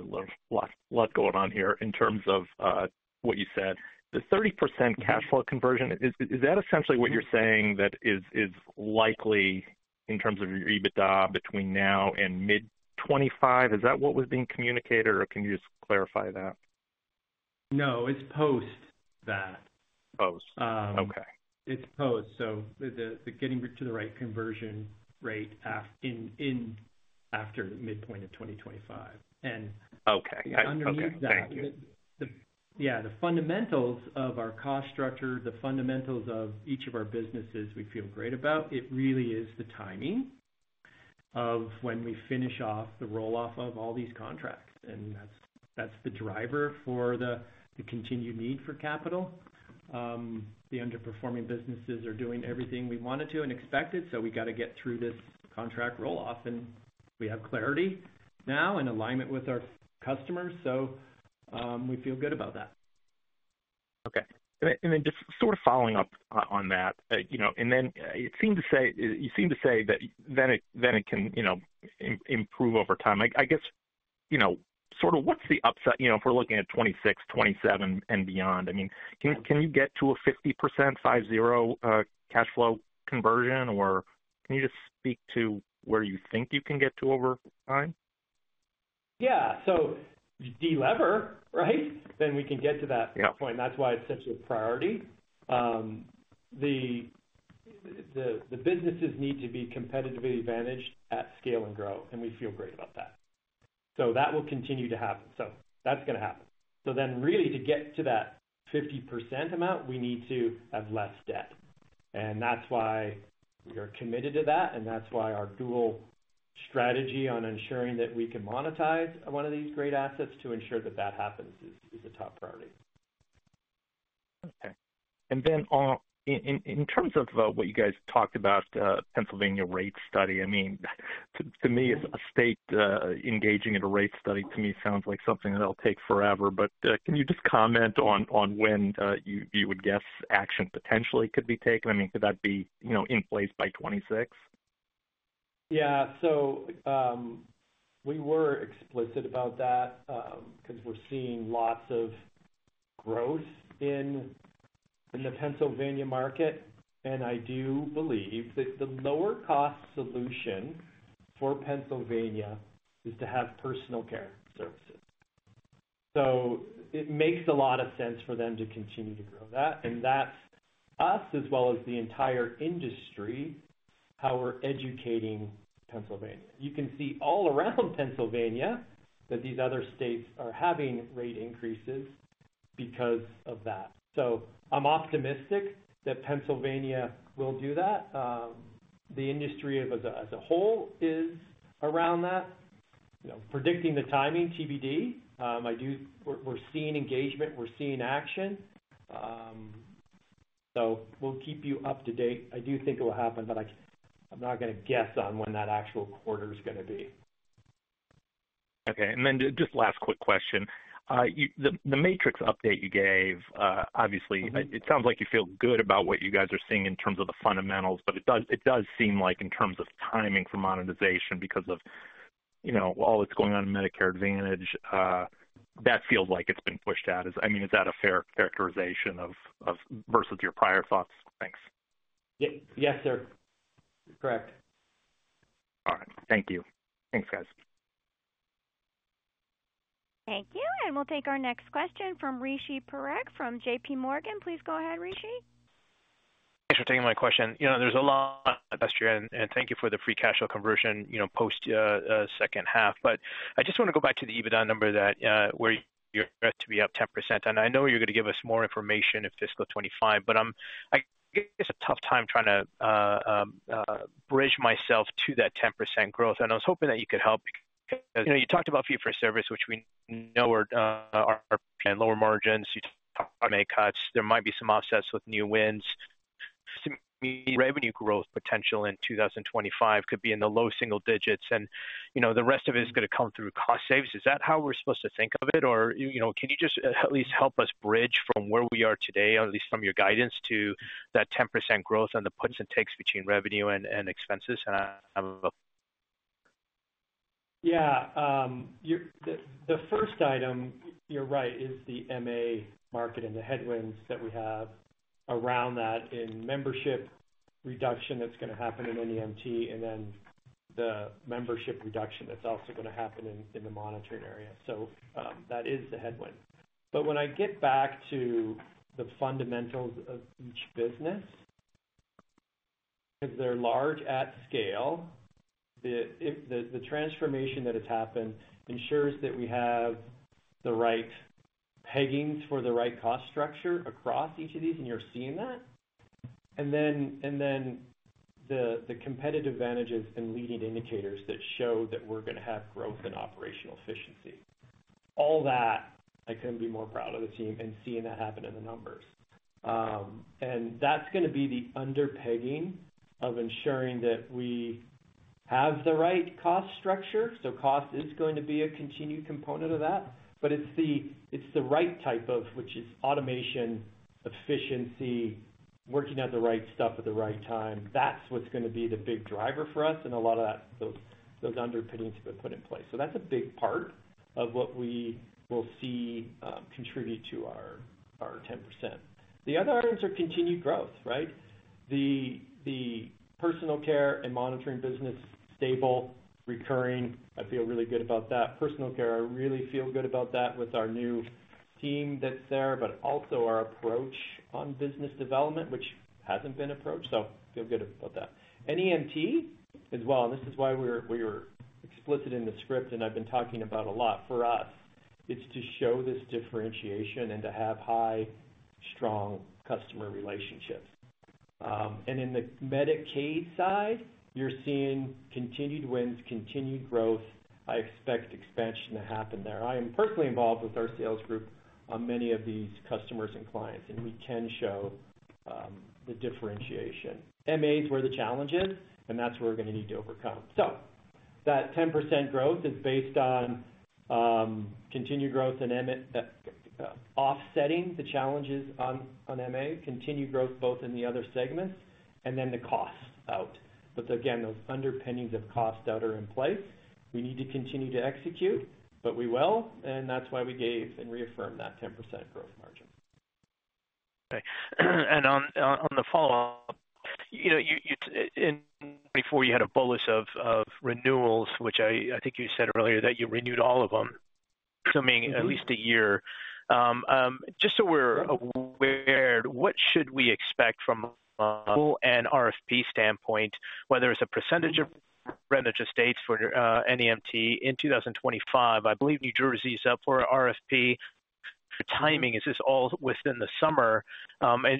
lot going on here in terms of what you said. The 30% cash flow conversion, is that essentially what you're saying that is likely in terms of your EBITDA between now and mid-2025? Is that what was being communicated, or can you just clarify that? No. It's post that. Post. Okay. It's post. So the getting to the right conversion rate after midpoint of 2025. And underneath that, yeah, the fundamentals of our cost structure, the fundamentals of each of our businesses we feel great about. It really is the timing of when we finish off the rolloff of all these contracts. And that's the driver for the continued need for capital. The underperforming businesses are doing everything we wanted to and expected. So we got to get through this contract rolloff, and we have clarity now in alignment with our customers. So we feel good about that. Okay. And then just sort of following up on that. And then it seemed to say you seem to say that then it can improve over time. I guess sort of what's the upside if we're looking at 2026, 2027, and beyond? I mean, can you get to a 50%, 5-0 cash flow conversion, or can you just speak to where you think you can get to over time? Yeah. So deliver, right? Then we can get to that point. That's why it's such a priority. The businesses need to be competitively advantaged at scale and grow, and we feel great about that. So that will continue to happen. So that's going to happen. So then really to get to that 50% amount, we need to have less debt. And that's why we are committed to that. And that's why our dual strategy on ensuring that we can monetize one of these great assets to ensure that that happens is a top priority. Okay. And then in terms of what you guys talked about, Pennsylvania Rate Study, I mean, to me, a state engaging in a rate study to me sounds like something that'll take forever. But can you just comment on when you would guess action potentially could be taken? I mean, could that be in place by 2026? Yeah. So we were explicit about that because we're seeing lots of growth in the Pennsylvania market. And I do believe that the lower-cost solution for Pennsylvania is to have personal care services. So it makes a lot of sense for them to continue to grow that. And that's us as well as the entire industry, how we're educating Pennsylvania. You can see all around Pennsylvania that these other states are having rate increases because of that. So I'm optimistic that Pennsylvania will do that. The industry as a whole is around that. Predicting the timing, TBD, we're seeing engagement. We're seeing action. So we'll keep you up to date. I do think it will happen, but I'm not going to guess on when that actual quarter is going to be. Okay. And then just last quick question. The Matrix update you gave, obviously, it sounds like you feel good about what you guys are seeing in terms of the fundamentals. But it does seem like in terms of timing for monetization because of all that's going on in Medicare Advantage, that feels like it's been pushed out. I mean, is that a fair characterization versus your prior thoughts? Thanks. Yes, sir. Correct. All right. Thank you. Thanks, guys. Thank you. And we'll take our next question from Rishi Parekh from J.P. Morgan. Please go ahead, Rishi. Thanks for taking my question. There's a lot last year. Thank you for the free cash flow conversion post second half. But I just want to go back to the EBITDA number where you're to be up 10%. I know you're going to give us more information in fiscal 2025, but I guess it's a tough time trying to bridge myself to that 10% growth. I was hoping that you could help because you talked about fee-for-service, which we know are lower margins. You talked about make-ups. There might be some offsets with new wins. To me, revenue growth potential in 2025 could be in the low single digits. The rest of it is going to come through cost savings. Is that how we're supposed to think of it? Or can you just at least help us bridge from where we are today, at least from your guidance, to that 10% growth and the puts and takes between revenue and expenses? The first item, you're right, is the MA market and the headwinds that we have around that in membership reduction that's going to happen in NEMT, and then the membership reduction that's also going to happen in the monitoring area, so that is the headwind. But when I get back to the fundamentals of each business, because they're large at scale, the transformation that has happened ensures that we have the right peggings for the right cost structure across each of these, and you're seeing that, and then the competitive advantages and leading indicators that show that we're going to have growth and operational efficiency. All that, I couldn't be more proud of the team and seeing that happen in the numbers, and that's going to be the underpinning of ensuring that we have the right cost structure, so cost is going to be a continued component of that, but it's the right type of, which is automation, efficiency, working out the right stuff at the right time. That's what's going to be the big driver for us, and a lot of those underpinnings have been put in place, so that's a big part of what we will see contribute to our 10%. The other items are continued growth, right? The personal care and monitoring business is stable, recurring. I feel really good about that. Personal care, I really feel good about that with our new team that's there, but also our approach on business development, which hasn't been approached. I feel good about that. And NEMT as well. And this is why we were explicit in the script, and I've been talking about a lot. For us, it's to show this differentiation and to have high, strong customer relationships. And in the Medicaid side, you're seeing continued wins, continued growth. I expect expansion to happen there. I am personally involved with our sales group on many of these customers and clients, and we can show the differentiation. MA is where the challenge is, and that's where we're going to need to overcome. That 10% growth is based on continued growth and offsetting the challenges on MA, continued growth both in the other segments, and then the costs out. But again, those underpinnings of costs that are in place, we need to continue to execute, but we will. That's why we gave and reaffirmed that 10% growth margin. Okay. On the follow-up, in 2024, you had a bolus of renewals, which I think you said earlier that you renewed all of them, assuming at least a year. Just so we're aware, what should we expect from a model and RFP standpoint, whether it's a percentage of revenue to states for NEMT in 2025? I believe New Jersey is up for RFP. Timing, is this all within the summer?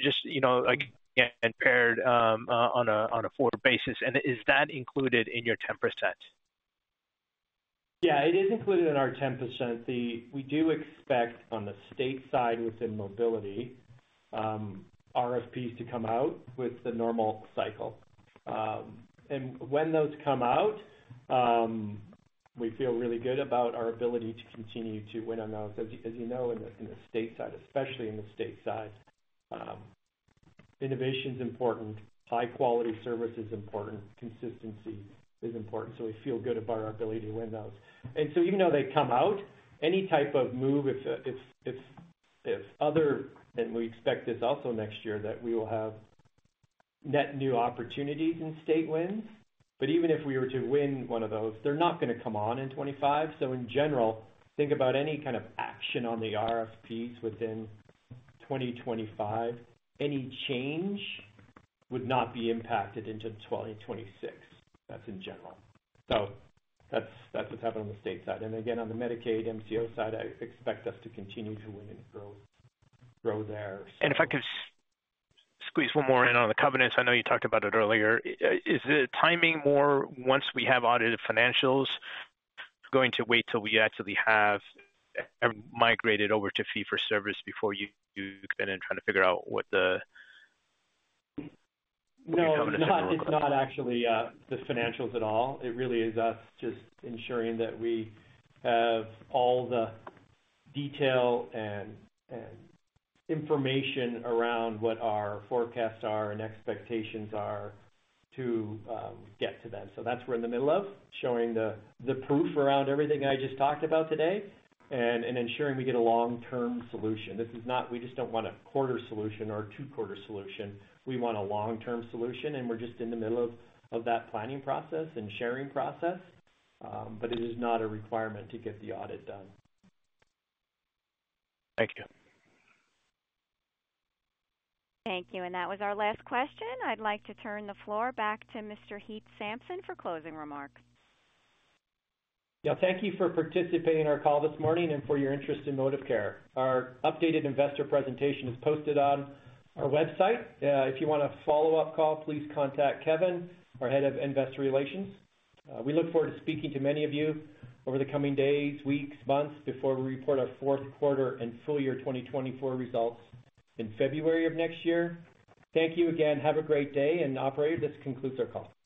Just again, prepared on a forward basis, is that included in your 10%? Yeah, it is included in our 10%. We do expect on the state side within mobility, RFPs to come out with the normal cycle. When those come out, we feel really good about our ability to continue to win on those. As you know, in the state side, especially in the state side, innovation is important. High-quality service is important. Consistency is important. So we feel good about our ability to win those. And so even though they come out, any type of move, if other than we expect this also next year, that we will have net new opportunities in state wins. But even if we were to win one of those, they're not going to come on in 2025. So in general, think about any kind of action on the RFPs within 2025. Any change would not be impacted into 2026. That's in general. So that's what's happened on the state side. And again, on the Medicaid MCO side, I expect us to continue to win and grow there. And if I could squeeze one more in on the covenants, I know you talked about it earlier. Is the timing more once we have audited financials going to wait till we actually have migrated over to fee-for-service before you then try to figure out what the covenants are? No, it's not actually the financials at all. It really is us just ensuring that we have all the detail and information around what our forecasts are and expectations are to get to them. So that's where we're in the middle of showing the proof around everything I just talked about today and ensuring we get a long-term solution. This is not we just don't want a quarter solution or a two-quarter solution. We want a long-term solution, and we're just in the middle of that planning process and sharing process. But it is not a requirement to get the audit done. Thank you. Thank you. And that was our last question. I'd like to turn the floor back to Mr. Heath Sampson for closing remarks. Yeah. Thank you for participating in our call this morning and for your interest in ModivCare. Our updated investor presentation is posted on our website. If you want a follow-up call, please contact Kevin, our head of investor relations. We look forward to speaking to many of you over the coming days, weeks, months before we report our fourth quarter and full year 2024 results in February of next year. Thank you again. Have a great day, and operator, this concludes our call.